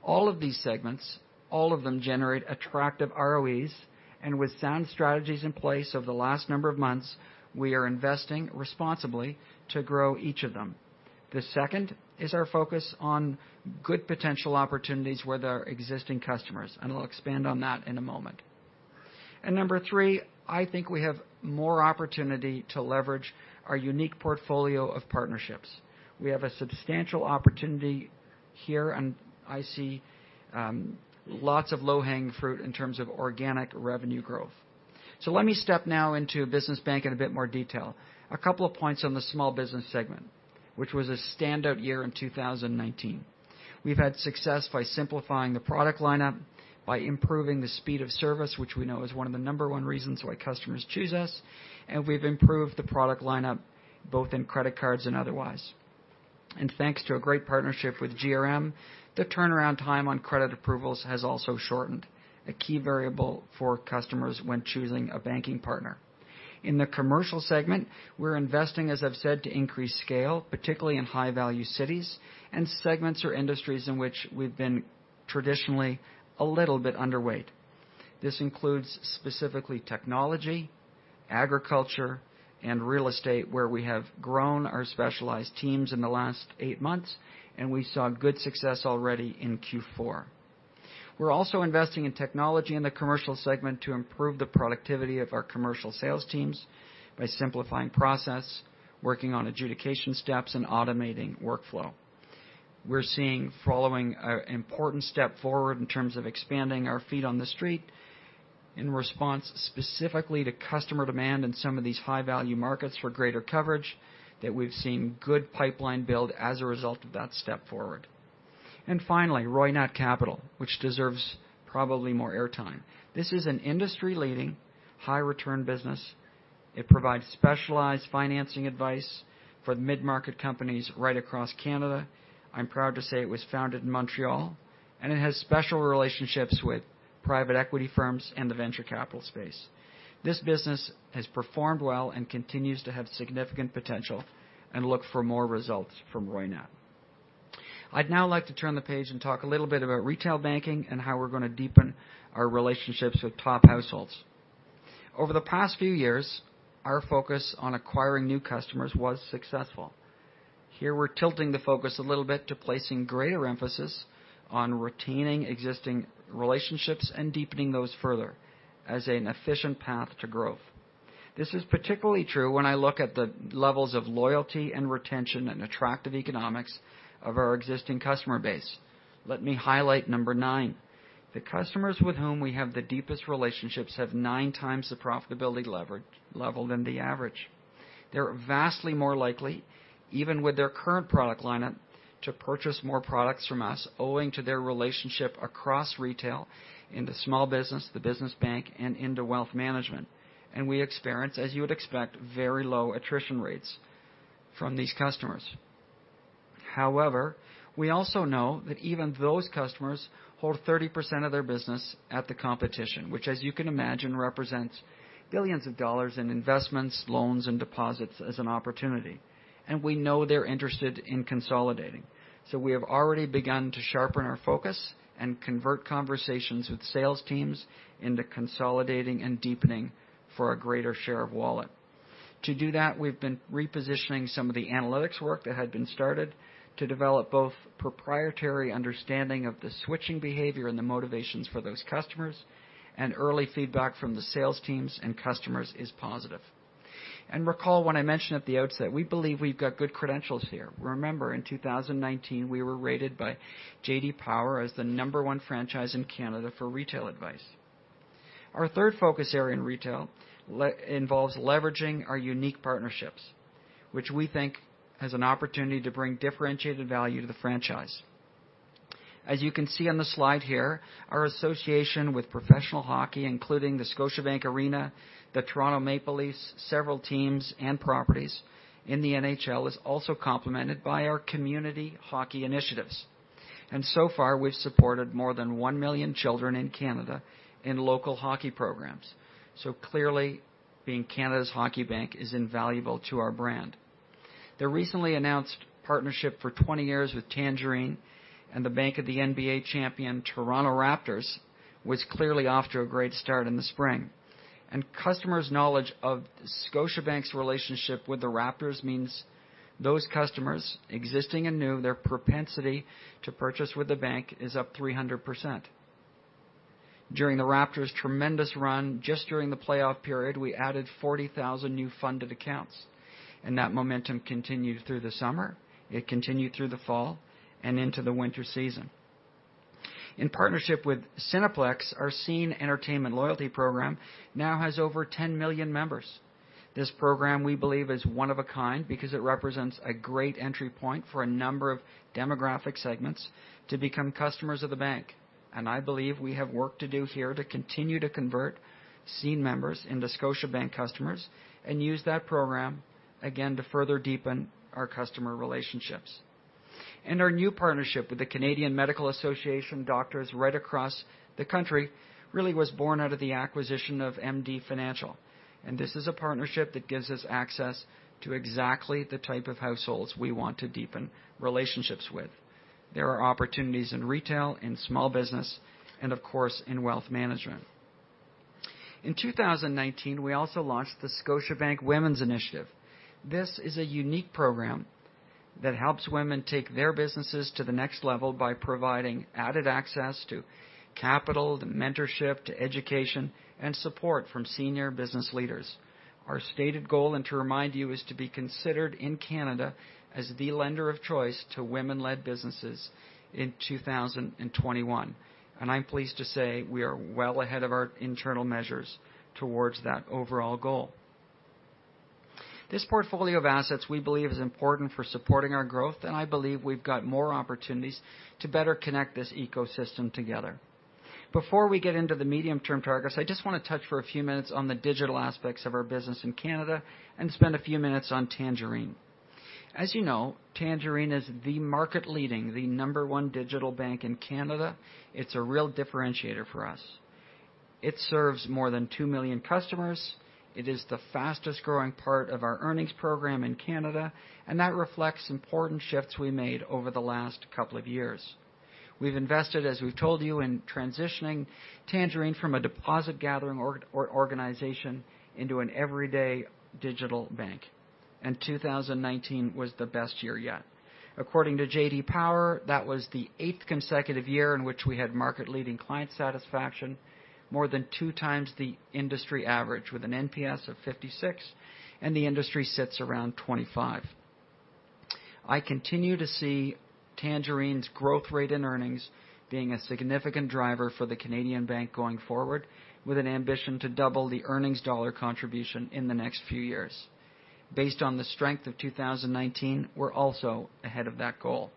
All of these segments, all of them generate attractive ROEs, and with sound strategies in place over the last number of months, we are investing responsibly to grow each of them. The second is our focus on good potential opportunities with our existing customers, and I'll expand on that in a moment. Number three, I think we have more opportunity to leverage our unique portfolio of partnerships. We have a substantial opportunity here. I see lots of low-hanging fruit in terms of organic revenue growth. Let me step now into business bank in a bit more detail. A couple of points on the small business segment, which was a standout year in 2019. We've had success by simplifying the product lineup, by improving the speed of service, which we know is one of the number one reasons why customers choose us, and we've improved the product lineup both in credit cards and otherwise. Thanks to a great partnership with GRM, the turnaround time on credit approvals has also shortened, a key variable for customers when choosing a banking partner. In the commercial segment, we're investing, as I've said, to increase scale, particularly in high-value cities and segments or industries in which we've been traditionally a little bit underweight. This includes specifically technology, agriculture, and real estate, where we have grown our specialized teams in the last eight months, and we saw good success already in Q4. We're also investing in technology in the commercial segment to improve the productivity of our commercial sales teams by simplifying process, working on adjudication steps, and automating workflow. We're seeing following important step forward in terms of expanding our feet on the street in response specifically to customer demand in some of these high-value markets for greater coverage that we've seen good pipeline build as a result of that step forward. Finally, Roynat Capital, which deserves probably more air time. This is an industry-leading high-return business. It provides specialized financing advice for mid-market companies right across Canada. I'm proud to say it was founded in Montreal, and it has special relationships with private equity firms and the venture capital space. This business has performed well and continues to have significant potential and look for more results from Roynat. I'd now like to turn the page and talk a little bit about retail banking and how we're going to deepen our relationships with top households. Over the past few years, our focus on acquiring new customers was successful. Here, we're tilting the focus a little bit to placing greater emphasis on retaining existing relationships and deepening those further as an efficient path to growth. This is particularly true when I look at the levels of loyalty and retention and attractive economics of our existing customer base. Let me highlight number 9. The customers with whom we have the deepest relationships have nine times the profitability level than the average. They're vastly more likely, even with their current product lineup, to purchase more products from us owing to their relationship across retail, into small business, the business bank, and into wealth management. We experience, as you would expect, very low attrition rates from these customers. However, we also know that even those customers hold 30% of their business at the competition, which as you can imagine, represents billions of dollars in investments, loans, and deposits as an opportunity. We know they're interested in consolidating. We have already begun to sharpen our focus and convert conversations with sales teams into consolidating and deepening for a greater share of wallet. To do that, we've been repositioning some of the analytics work that had been started to develop both proprietary understanding of the switching behavior and the motivations for those customers. Early feedback from the sales teams and customers is positive. Recall when I mentioned at the outset, we believe we've got good credentials here. Remember, in 2019, we were rated by J.D. Power as the number one franchise in Canada for retail advice. Our third focus area in retail involves leveraging our unique partnerships, which we think has an opportunity to bring differentiated value to the franchise. As you can see on the slide here, our association with professional hockey, including the Scotiabank Arena, the Toronto Maple Leafs, several teams and properties in the NHL, is also complemented by our community hockey initiatives. So far, we've supported more than 1 million children in Canada in local hockey programs. Clearly, being Canada's hockey bank is invaluable to our brand. The recently announced partnership for 20 years with Tangerine and the bank of the NBA champion Toronto Raptors was clearly off to a great start in the spring. Customers' knowledge of Scotiabank's relationship with the Raptors means those customers, existing and new, their propensity to purchase with the bank is up 300%. During the Raptors' tremendous run, just during the playoff period, we added 40,000 new funded accounts, and that momentum continued through the summer. It continued through the fall and into the winter season. In partnership with Cineplex, our Scene Entertainment loyalty program now has over 10 million members. This program, we believe, is one of a kind because it represents a great entry point for a number of demographic segments to become customers of the bank. I believe we have work to do here to continue to convert Scene members into Scotiabank customers and use that program again to further deepen our customer relationships. Our new partnership with the Canadian Medical Association, doctors right across the country really was born out of the acquisition of MD Financial. This is a partnership that gives us access to exactly the type of households we want to deepen relationships with. There are opportunities in retail, in small business, and of course, in wealth management. In 2019, we also launched The Scotiabank Women's Initiative. This is a unique program that helps women take their businesses to the next level by providing added access to capital, to mentorship, to education, and support from senior business leaders. Our stated goal, to remind you, is to be considered in Canada as the lender of choice to women-led businesses in 2021. I'm pleased to say we are well ahead of our internal measures towards that overall goal. This portfolio of assets, we believe, is important for supporting our growth, and I believe we've got more opportunities to better connect this ecosystem together. Before we get into the medium-term targets, I just want to touch for a few minutes on the digital aspects of our business in Canada and spend a few minutes on Tangerine. As you know, Tangerine is the market leading, the number 1 digital bank in Canada. It's a real differentiator for us. It serves more than 2 million customers. It is the fastest growing part of our earnings program in Canada. That reflects important shifts we made over the last couple of years. We've invested, as we've told you, in transitioning Tangerine from a deposit gathering organization into an everyday digital bank. 2019 was the best year yet. According to J.D. Power, that was the eighth consecutive year in which we had market-leading client satisfaction, more than two times the industry average with an NPS of 56. The industry sits around 25. I continue to see Tangerine's growth rate in earnings being a significant driver for the Canadian bank going forward with an ambition to double the earnings dollar contribution in the next few years. Based on the strength of 2019, we're also ahead of that goal.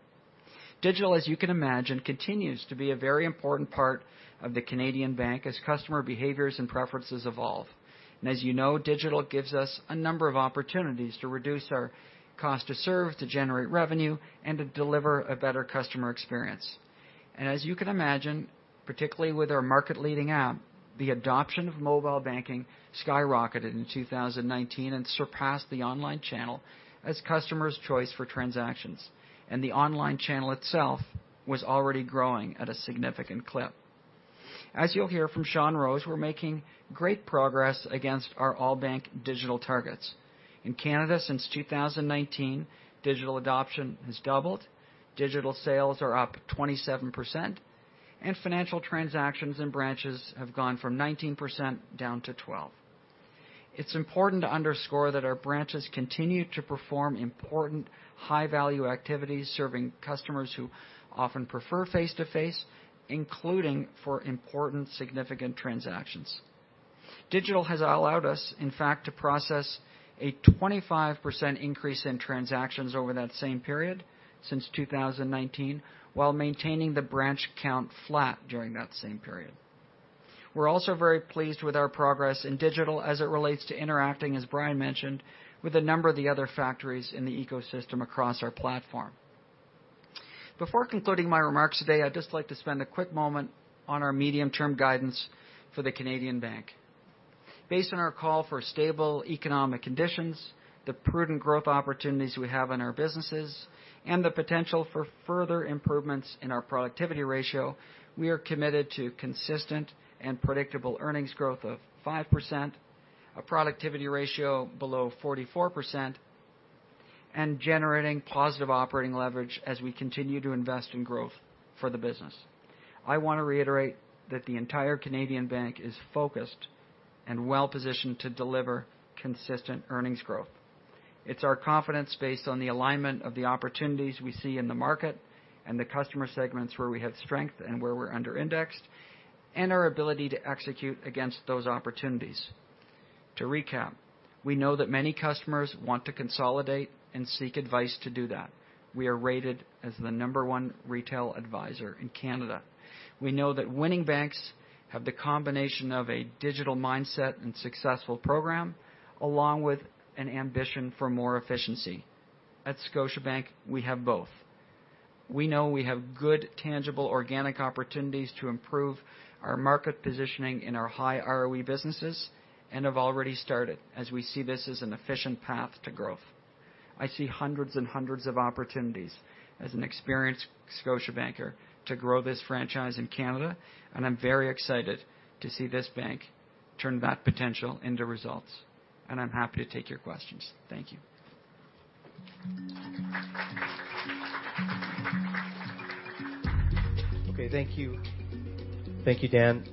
Digital, as you can imagine, continues to be a very important part of the Canadian bank as customer behaviors and preferences evolve. As you know, digital gives us a number of opportunities to reduce our cost to serve, to generate revenue, and to deliver a better customer experience. As you can imagine, particularly with our market-leading app, the adoption of mobile banking skyrocketed in 2019 and surpassed the online channel as customers' choice for transactions. The online channel itself was already growing at a significant clip. As you'll hear from Shawn Rose, we're making great progress against our all-bank digital targets. In Canada, since 2019, digital adoption has doubled, digital sales are up 27%, and financial transactions in branches have gone from 19% down to 12%. It's important to underscore that our branches continue to perform important high-value activities, serving customers who often prefer face-to-face, including for important significant transactions. Digital has allowed us, in fact, to process a 25% increase in transactions over that same period since 2019 while maintaining the branch count flat during that same period. We're also very pleased with our progress in digital as it relates to interacting, as Brian mentioned, with a number of the other factories in the ecosystem across our platform. Before concluding my remarks today, I'd just like to spend a quick moment on our medium-term guidance for the Canadian bank. Based on our call for stable economic conditions, the prudent growth opportunities we have in our businesses, and the potential for further improvements in our productivity ratio, we are committed to consistent and predictable earnings growth of 5%, a productivity ratio below 44%, and generating positive operating leverage as we continue to invest in growth for the business. I want to reiterate that the entire Canadian bank is focused and well-positioned to deliver consistent earnings growth. It's our confidence based on the alignment of the opportunities we see in the market and the customer segments where we have strength and where we're under-indexed, and our ability to execute against those opportunities. To recap, we know that many customers want to consolidate and seek advice to do that. We are rated as the number one retail advisor in Canada. We know that winning banks have the combination of a digital mindset and successful program, along with an ambition for more efficiency. At Scotiabank, we have both. We know we have good tangible organic opportunities to improve our market positioning in our high ROE businesses and have already started as we see this as an efficient path to growth. I see hundreds and hundreds of opportunities as an experienced Scotiabanker to grow this franchise in Canada, and I'm very excited to see this bank turn that potential into results. I'm happy to take your questions. Thank you. Okay. Thank you. Thank you, Dan.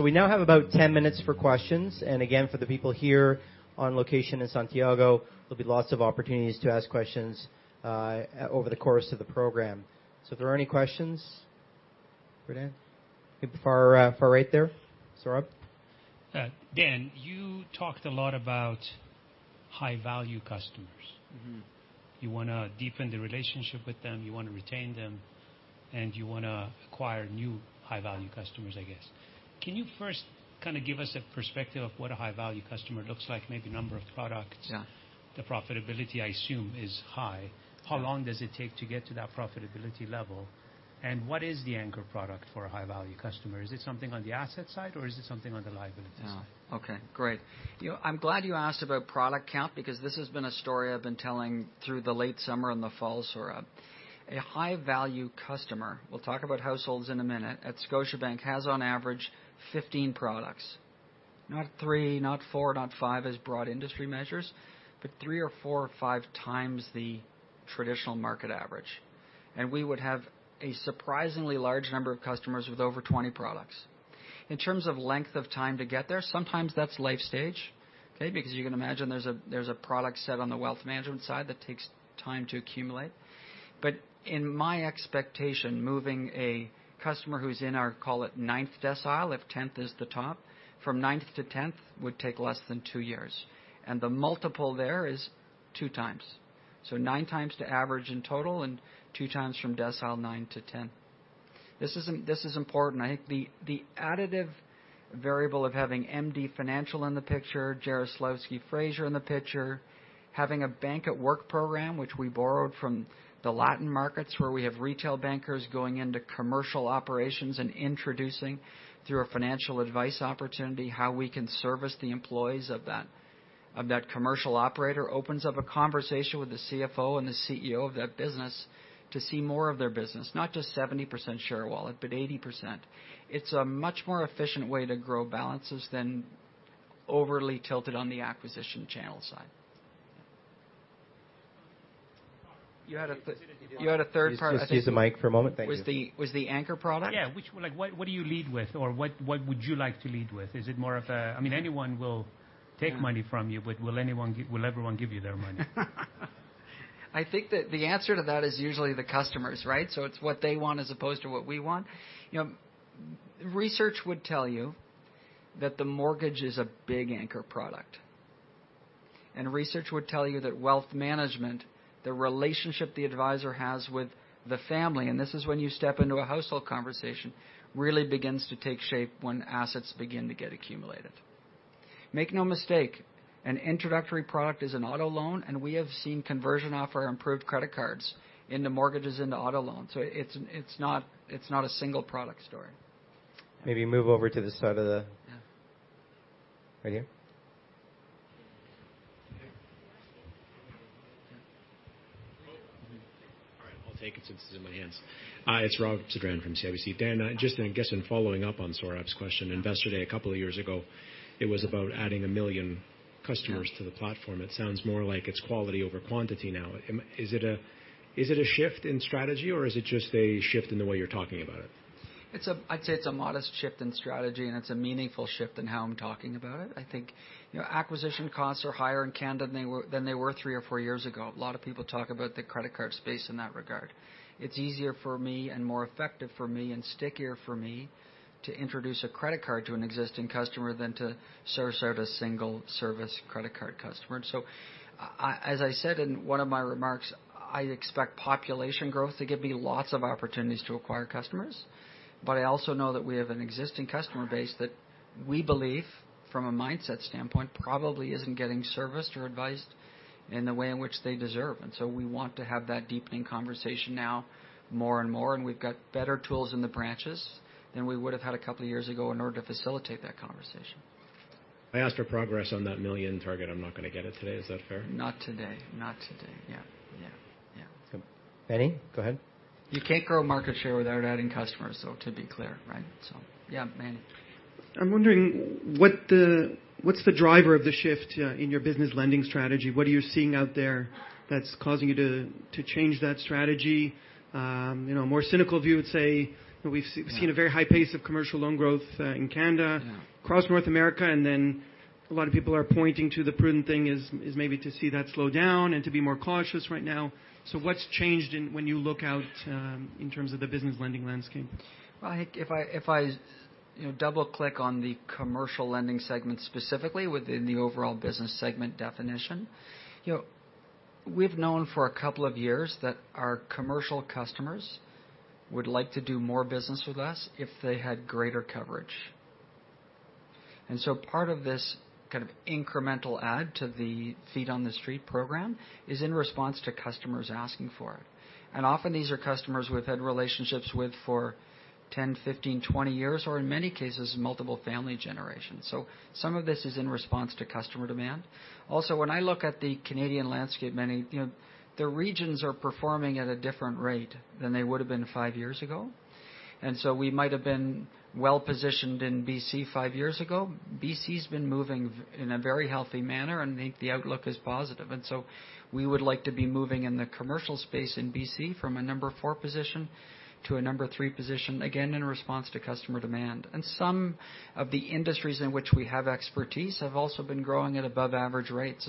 We now have about 10 minutes for questions. Again, for the people here on location in Santiago, there'll be lots of opportunities to ask questions over the course of the program. If there are any questions for Dan. Far right there, Sohrab. Dan, you talked a lot about high-value customers. You want to deepen the relationship with them, you want to retain them, and you want to acquire new high-value customers, I guess. Can you first kind of give us a perspective of what a high-value customer looks like? Maybe number of products. Yeah. The profitability, I assume, is high. Yeah. How long does it take to get to that profitability level? What is the anchor product for a high-value customer? Is it something on the asset side or is it something on the liabilities side? Okay, great. I'm glad you asked about product count because this has been a story I've been telling through the late summer and the fall, Sohrab. A high-value customer, we'll talk about households in a minute, at Scotiabank has on average 15 products. Not three, not four, not five as broad industry measures, but three or four or five times the traditional market average. We would have a surprisingly large number of customers with over 20 products. In terms of length of time to get there, sometimes that's life stage, okay, because you can imagine there's a product set on the wealth management side that takes time to accumulate. In my expectation, moving a customer who's in our, call it ninth decile, if tenth is the top, from ninth to tenth would take less than two years. The multiple there is two times. Nine times the average in total and two times from decile nine to 10. This is important. I think the additive variable of having MD Financial in the picture, Jarislowsky Fraser in the picture, having a Bank at Work Program, which we borrowed from the Latin markets, where we have retail bankers going into commercial operations and introducing through a financial advice opportunity how we can service the employees of that commercial operator opens up a conversation with the CFO and the CEO of that business to see more of their business. Not just 70% share wallet, but 80%. It's a much more efficient way to grow balances than overly tilted on the acquisition channel side. You had a third part I think. Just use the mic for a moment. Thank you. Was the anchor product? Yeah. What do you lead with or what would you like to lead with? I mean, anyone will take money from you, but will everyone give you their money? I think that the answer to that is usually the customers, right? It's what they want as opposed to what we want. Research would tell you that the mortgage is a big anchor product. Research would tell you that wealth management, the relationship the advisor has with the family, and this is when you step into a household conversation, really begins to take shape when assets begin to get accumulated. Make no mistake, an introductory product is an auto loan, and we have seen conversion off our improved credit cards into mortgages, into auto loans. It's not a single product story. Maybe move over to the side of the, right here. All right. I'll take it since it's in my hands. Hi, it's Rob Sedran from CIBC. Dan, I just, I guess, in following up on Sohrab's question, Investor Day a couple of years ago, it was about adding 1 million customers to the platform. It sounds more like it's quality over quantity now. Is it a shift in strategy or is it just a shift in the way you're talking about it? I'd say it's a modest shift in strategy and it's a meaningful shift in how I'm talking about it. I think acquisition costs are higher in Canada than they were three or four years ago. A lot of people talk about the credit card space in that regard. It's easier for me and more effective for me and stickier for me to introduce a credit card to an existing customer than to service out a single service credit card customer. As I said in one of my remarks, I expect population growth to give me lots of opportunities to acquire customers. I also know that we have an existing customer base that we believe from a mindset standpoint probably isn't getting serviced or advised in the way in which they deserve. We want to have that deepening conversation now more and more, and we've got better tools in the branches than we would have had a couple of years ago in order to facilitate that conversation. I asked for progress on that million target. I'm not going to get it today. Is that fair? Not today. Yeah. Meny, go ahead. You can't grow market share without adding customers, though, to be clear, right? Yeah. Meny. I'm wondering what's the driver of the shift in your business lending strategy? What are you seeing out there that's causing you to change that strategy? Yeah A very high pace of commercial loan growth in Canada. Yeah Across North America. A lot of people are pointing to the prudent thing is maybe to see that slow down and to be more cautious right now. What's changed when you look out in terms of the business lending landscape? Well, if I double-click on the commercial lending segment specifically within the overall business segment definition, we've known for a couple of years that our commercial customers would like to do more business with us if they had greater coverage. Part of this kind of incremental add to the Feet on the Street Program is in response to customers asking for it. Often these are customers we've had relationships with for 10, 15, 20 years, or in many cases, multiple family generations. Some of this is in response to customer demand. Also, when I look at the Canadian landscape, the regions are performing at a different rate than they would've been five years ago. We might've been well-positioned in B.C. five years ago. B.C. has been moving in a very healthy manner, and I think the outlook is positive. We would like to be moving in the commercial space in BC from a number 4 position to a number 3 position, again, in response to customer demand. Some of the industries in which we have expertise have also been growing at above average rates.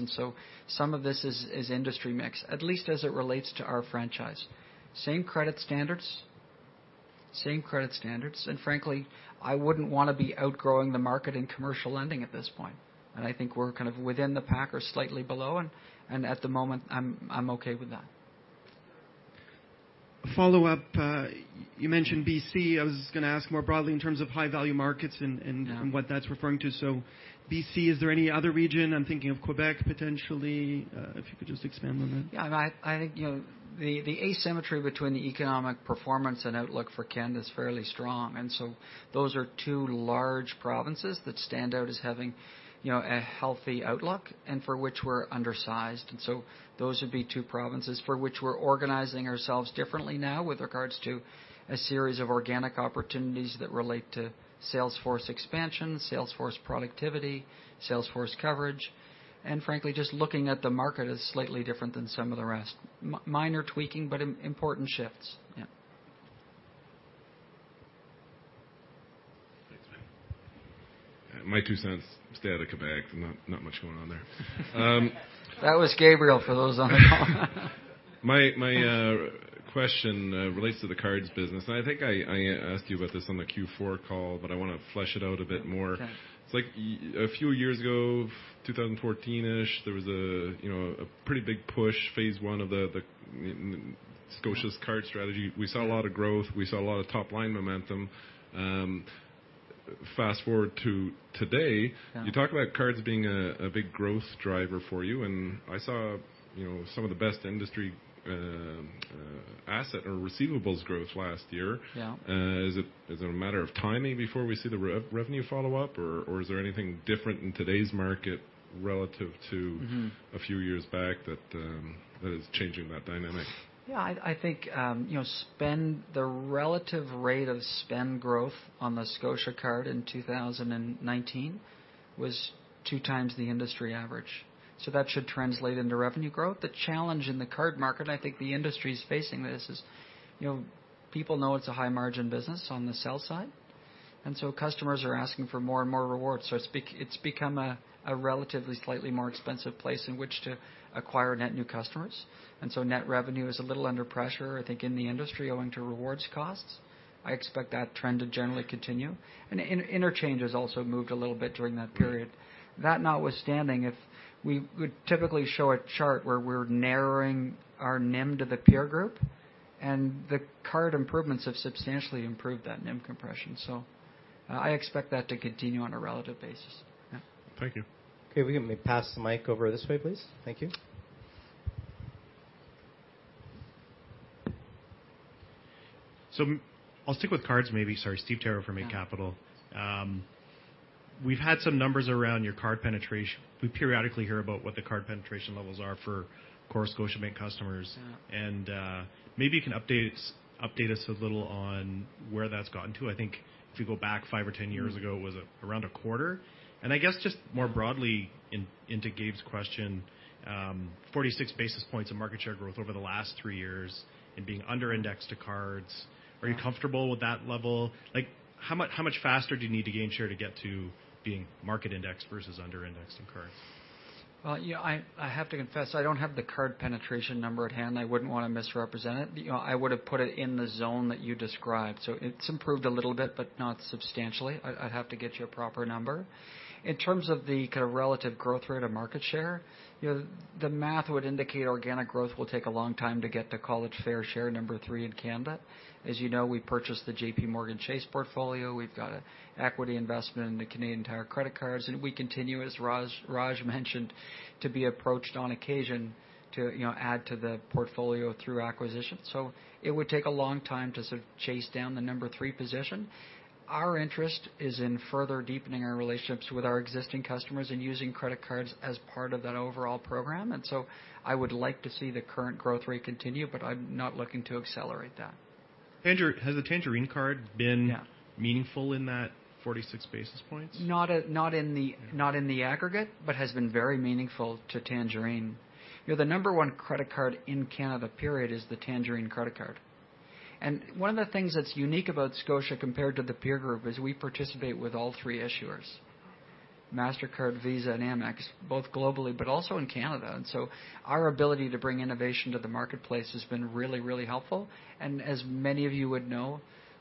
Some of this is industry mix, at least as it relates to our franchise. Same credit standards. Frankly, I wouldn't want to be outgrowing the market in commercial lending at this point. I think we're kind of within the pack or slightly below, and at the moment, I'm okay with that. Follow-up, you mentioned BC. I was just going to ask more broadly in terms of high-value markets. Yeah What that's referring to. BC, is there any other region, I'm thinking of Quebec, potentially, if you could just expand on that? Yeah. I think, the asymmetry between the economic performance and outlook for Canada is fairly strong. Those are two large provinces that stand out as having a healthy outlook and for which we're undersized. Those would be two provinces for which we're organizing ourselves differently now with regards to a series of organic opportunities that relate to sales force expansion, sales force productivity, sales force coverage, and frankly, just looking at the market as slightly different than some of the rest. Minor tweaking, but important shifts. Yeah. Thanks, Manny. My 0.02, stay out of Quebec, not much going on there. That was Gabriel for those on the call. My question relates to the cards business. I think I asked you about this on the Q4 call, but I want to flesh it out a bit more. Okay. It's like a few years ago, 2014-ish, there was a pretty big push, phase one of the Scotiabank's card strategy. We saw a lot of growth, we saw a lot of top-line momentum. Fast-forward to today. Yeah You talk about cards being a big growth driver for you, and I saw some of the best industry asset or receivables growth last year. Yeah. Is it a matter of timing before we see the revenue follow-up, or is there anything different in today's market relative to? A few years back that is changing that dynamic? Yeah, I think the relative rate of spend growth on the Scotiabank card in 2019 was two times the industry average. That should translate into revenue growth. The challenge in the card market, and I think the industry's facing this, is people know it's a high-margin business on the sell side, and so customers are asking for more and more rewards. It's become a relatively slightly more expensive place in which to acquire net new customers. Net revenue is a little under pressure, I think, in the industry owing to rewards costs. I expect that trend to generally continue. Interchange has also moved a little bit during that period. That notwithstanding, we would typically show a chart where we're narrowing our NIM to the peer group, and the card improvements have substantially improved that NIM compression. I expect that to continue on a relative basis. Yeah. Thank you. Okay, if we can pass the mic over this way, please. Thank you. I'll stick with cards maybe. Sorry, Steve Theriault from Eight Capital. We've had some numbers around your card penetration. We periodically hear about what the card penetration levels are for, of course, Scotiabank Bank customers. Yeah. Maybe you can update us a little on where that's gotten to. I think if you go back five or 10 years ago, it was around a quarter. I guess just more broadly, into Gabe's question, 46 basis points of market share growth over the last three years and being under-indexed to cards. Are you comfortable with that level? How much faster do you need to gain share to get to being market index versus under indexed in cards? I have to confess, I don't have the card penetration number at hand. I wouldn't want to misrepresent it. I would've put it in the zone that you described. It's improved a little bit, but not substantially. I'd have to get you a proper number. In terms of the kind of relative growth rate of market share, the math would indicate organic growth will take a long time to get to call it fair share number three in Canada. As you know, we purchased the JPMorgan Chase portfolio. We've got an equity investment in the Canadian Tire credit cards, and we continue, as Raj mentioned, to be approached on occasion to add to the portfolio through acquisition. It would take a long time to sort of chase down the number three position. Our interest is in further deepening our relationships with our existing customers and using credit cards as part of that overall program. I would like to see the current growth rate continue, but I'm not looking to accelerate that. Has the Tangerine card been Yeah Meaningful in that 46 basis points? Not in the aggregate, but has been very meaningful to Tangerine. The number one credit card in Canada, period, is the Tangerine credit card. One of the things that's unique about Scotia compared to the peer group is we participate with all three issuers, Mastercard, Visa, and Amex, both globally but also in Canada. Our ability to bring innovation to the marketplace has been really helpful. As many of you would know,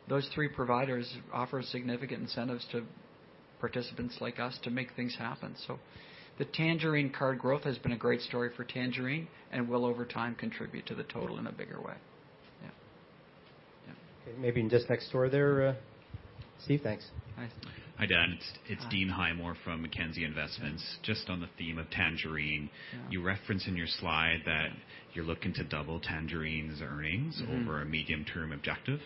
those three providers offer significant incentives to participants like us to make things happen. The Tangerine card growth has been a great story for Tangerine and will, over time, contribute to the total in a bigger way. Maybe just next door there. Steve, thanks. Hi. Hi, Dan. It's Dean Highmoor from Mackenzie Investments. Just on the theme of Tangerine, you reference in your slide that you're looking to double Tangerine's earnings over a medium-term objective.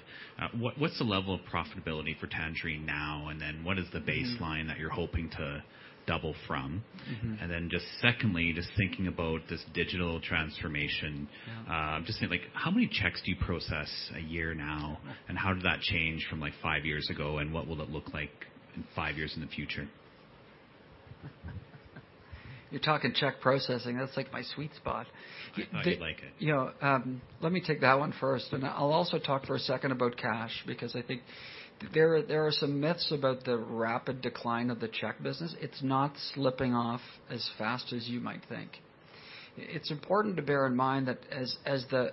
What's the level of profitability for Tangerine now and then what is the baseline that you're hoping to double from? Just secondly, just thinking about this digital transformation. Yeah. Just saying, how many checks do you process a year now, and how did that change from five years ago, and what will it look like in five years in the future? You're talking check processing. That's my sweet spot. I thought you'd like it. Let me take that one first, and I'll also talk for a second about cash, because I think there are some myths about the rapid decline of the check business. It's not slipping off as fast as you might think. It's important to bear in mind that as the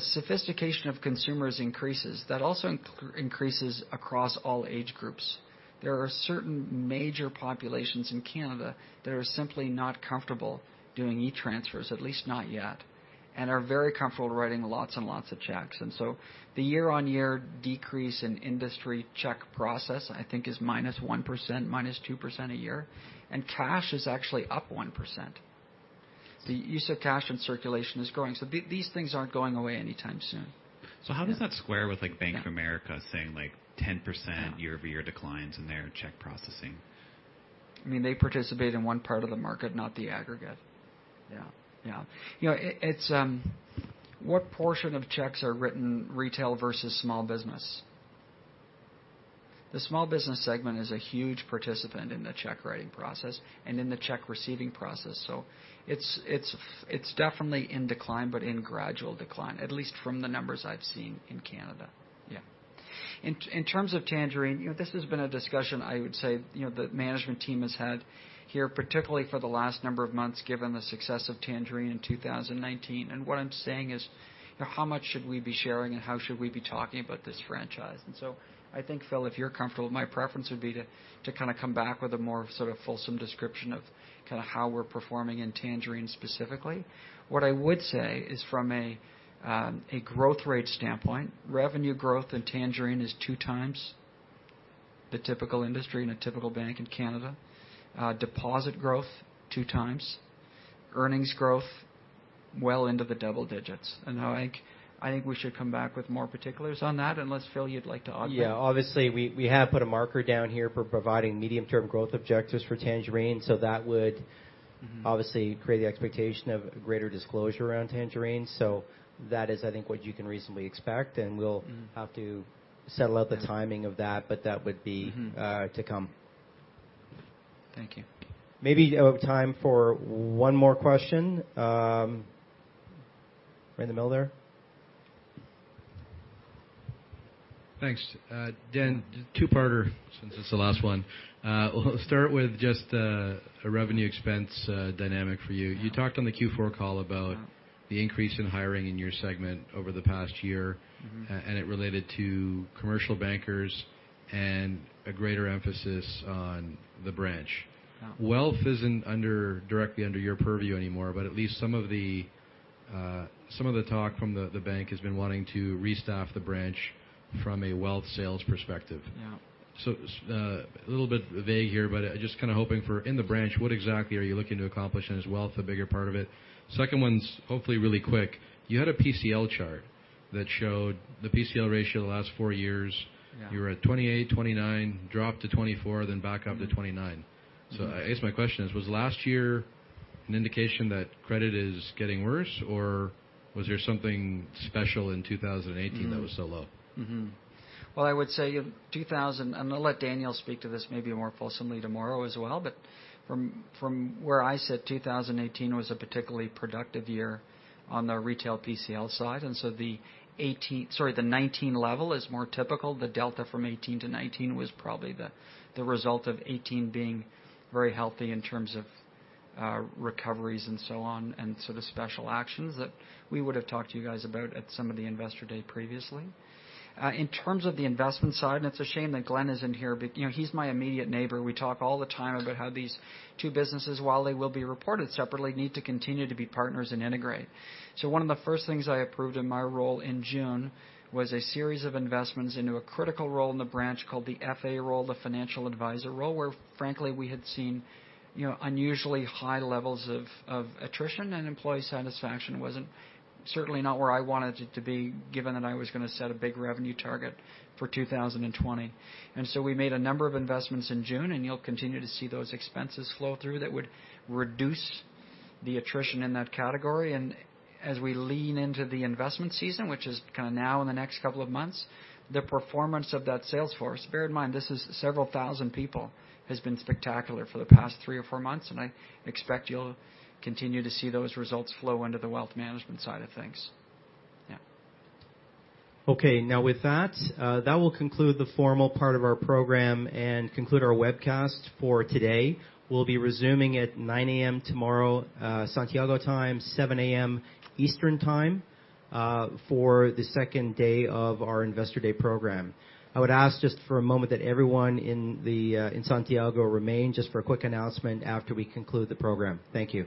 sophistication of consumers increases, that also increases across all age groups. There are certain major populations in Canada that are simply not comfortable doing e-transfers, at least not yet, and are very comfortable writing lots and lots of checks. The year-on-year decrease in industry check process, I think, is -1%, -2% a year. Cash is actually up 1%. The use of cash and circulation is growing. These things aren't going away anytime soon. How does that square with Bank of America saying 10% year-over-year declines in their check processing? They participate in one part of the market, not the aggregate. Yeah. What portion of checks are written retail versus small business? The small business segment is a huge participant in the check-writing process and in the check-receiving process. It's definitely in decline, but in gradual decline, at least from the numbers I've seen in Canada. Yeah. In terms of Tangerine, this has been a discussion, I would say, the management team has had here, particularly for the last number of months, given the success of Tangerine in 2019. What I'm saying is, how much should we be sharing, and how should we be talking about this franchise? I think, Phil, if you're comfortable, my preference would be to kind of come back with a more sort of fulsome description of how we're performing in Tangerine specifically. What I would say is from a growth rate standpoint, revenue growth in Tangerine is two times the typical industry in a typical bank in Canada. Deposit growth, two times. Earnings growth, well into the double digits. I think we should come back with more particulars on that unless, Phil, you'd like to augment. Yeah. Obviously, we have put a marker down here for providing medium-term growth objectives for Tangerine. That would obviously create the expectation of greater disclosure around Tangerine. That is, I think, what you can reasonably expect, and we'll have to settle out the timing of that, but that would be to come. Thank you. Maybe we have time for one more question. Right in the middle there. Thanks. Dan, two-parter, since it's the last one. We'll start with just a revenue expense dynamic for you. You talked on the Q4 call about the increase in hiring in your segment over the past year, and it related to commercial bankers and a greater emphasis on the branch. Yeah. Wealth isn't directly under your purview anymore, but at least some of the talk from the bank has been wanting to restaff the branch from a wealth sales perspective. Yeah. A little bit vague here, but just kind of hoping for in the branch, what exactly are you looking to accomplish, and is wealth a bigger part of it? Second one's hopefully really quick. You had a PCL chart that showed the PCL ratio the last four years. Yeah. You were at 28, 29, dropped to 24, then back up to 29. I guess my question is, was last year an indication that credit is getting worse, or was there something special in 2018 that was so low? Well, I would say, I'll let Daniel speak to this maybe more fulsomely tomorrow as well, from where I sit, 2018 was a particularly productive year on the retail PCL side. The 2019 level is more typical. The delta from 2018 to 2019 was probably the result of 2018 being very healthy in terms of recoveries and so on, the special actions that we would've talked to you guys about at some of the Investor Day previously. In terms of the investment side, it's a shame that Glen isn't here, he's my immediate neighbor. We talk all the time about how these two businesses, while they will be reported separately, need to continue to be partners and integrate. One of the first things I approved in my role in June was a series of investments into a critical role in the branch called the FA role, the financial advisor role, where frankly, we had seen unusually high levels of attrition, and employee satisfaction wasn't certainly not where I wanted it to be, given that I was going to set a big revenue target for 2020. We made a number of investments in June, and you'll continue to see those expenses flow through that would reduce the attrition in that category. As we lean into the investment season, which is kind of now in the next couple of months, the performance of that sales force, bear in mind, this is several thousand people, has been spectacular for the past three or four months, and I expect you'll continue to see those results flow under the wealth management side of things. Yeah. Okay. With that will conclude the formal part of our program and conclude our webcast for today. We'll be resuming at 9:00 A.M. tomorrow Santiago time, 7:00 A.M. Eastern Time for the second day of our investor day program. I would ask just for a moment that everyone in Santiago remain just for a quick announcement after we conclude the program. Thank you.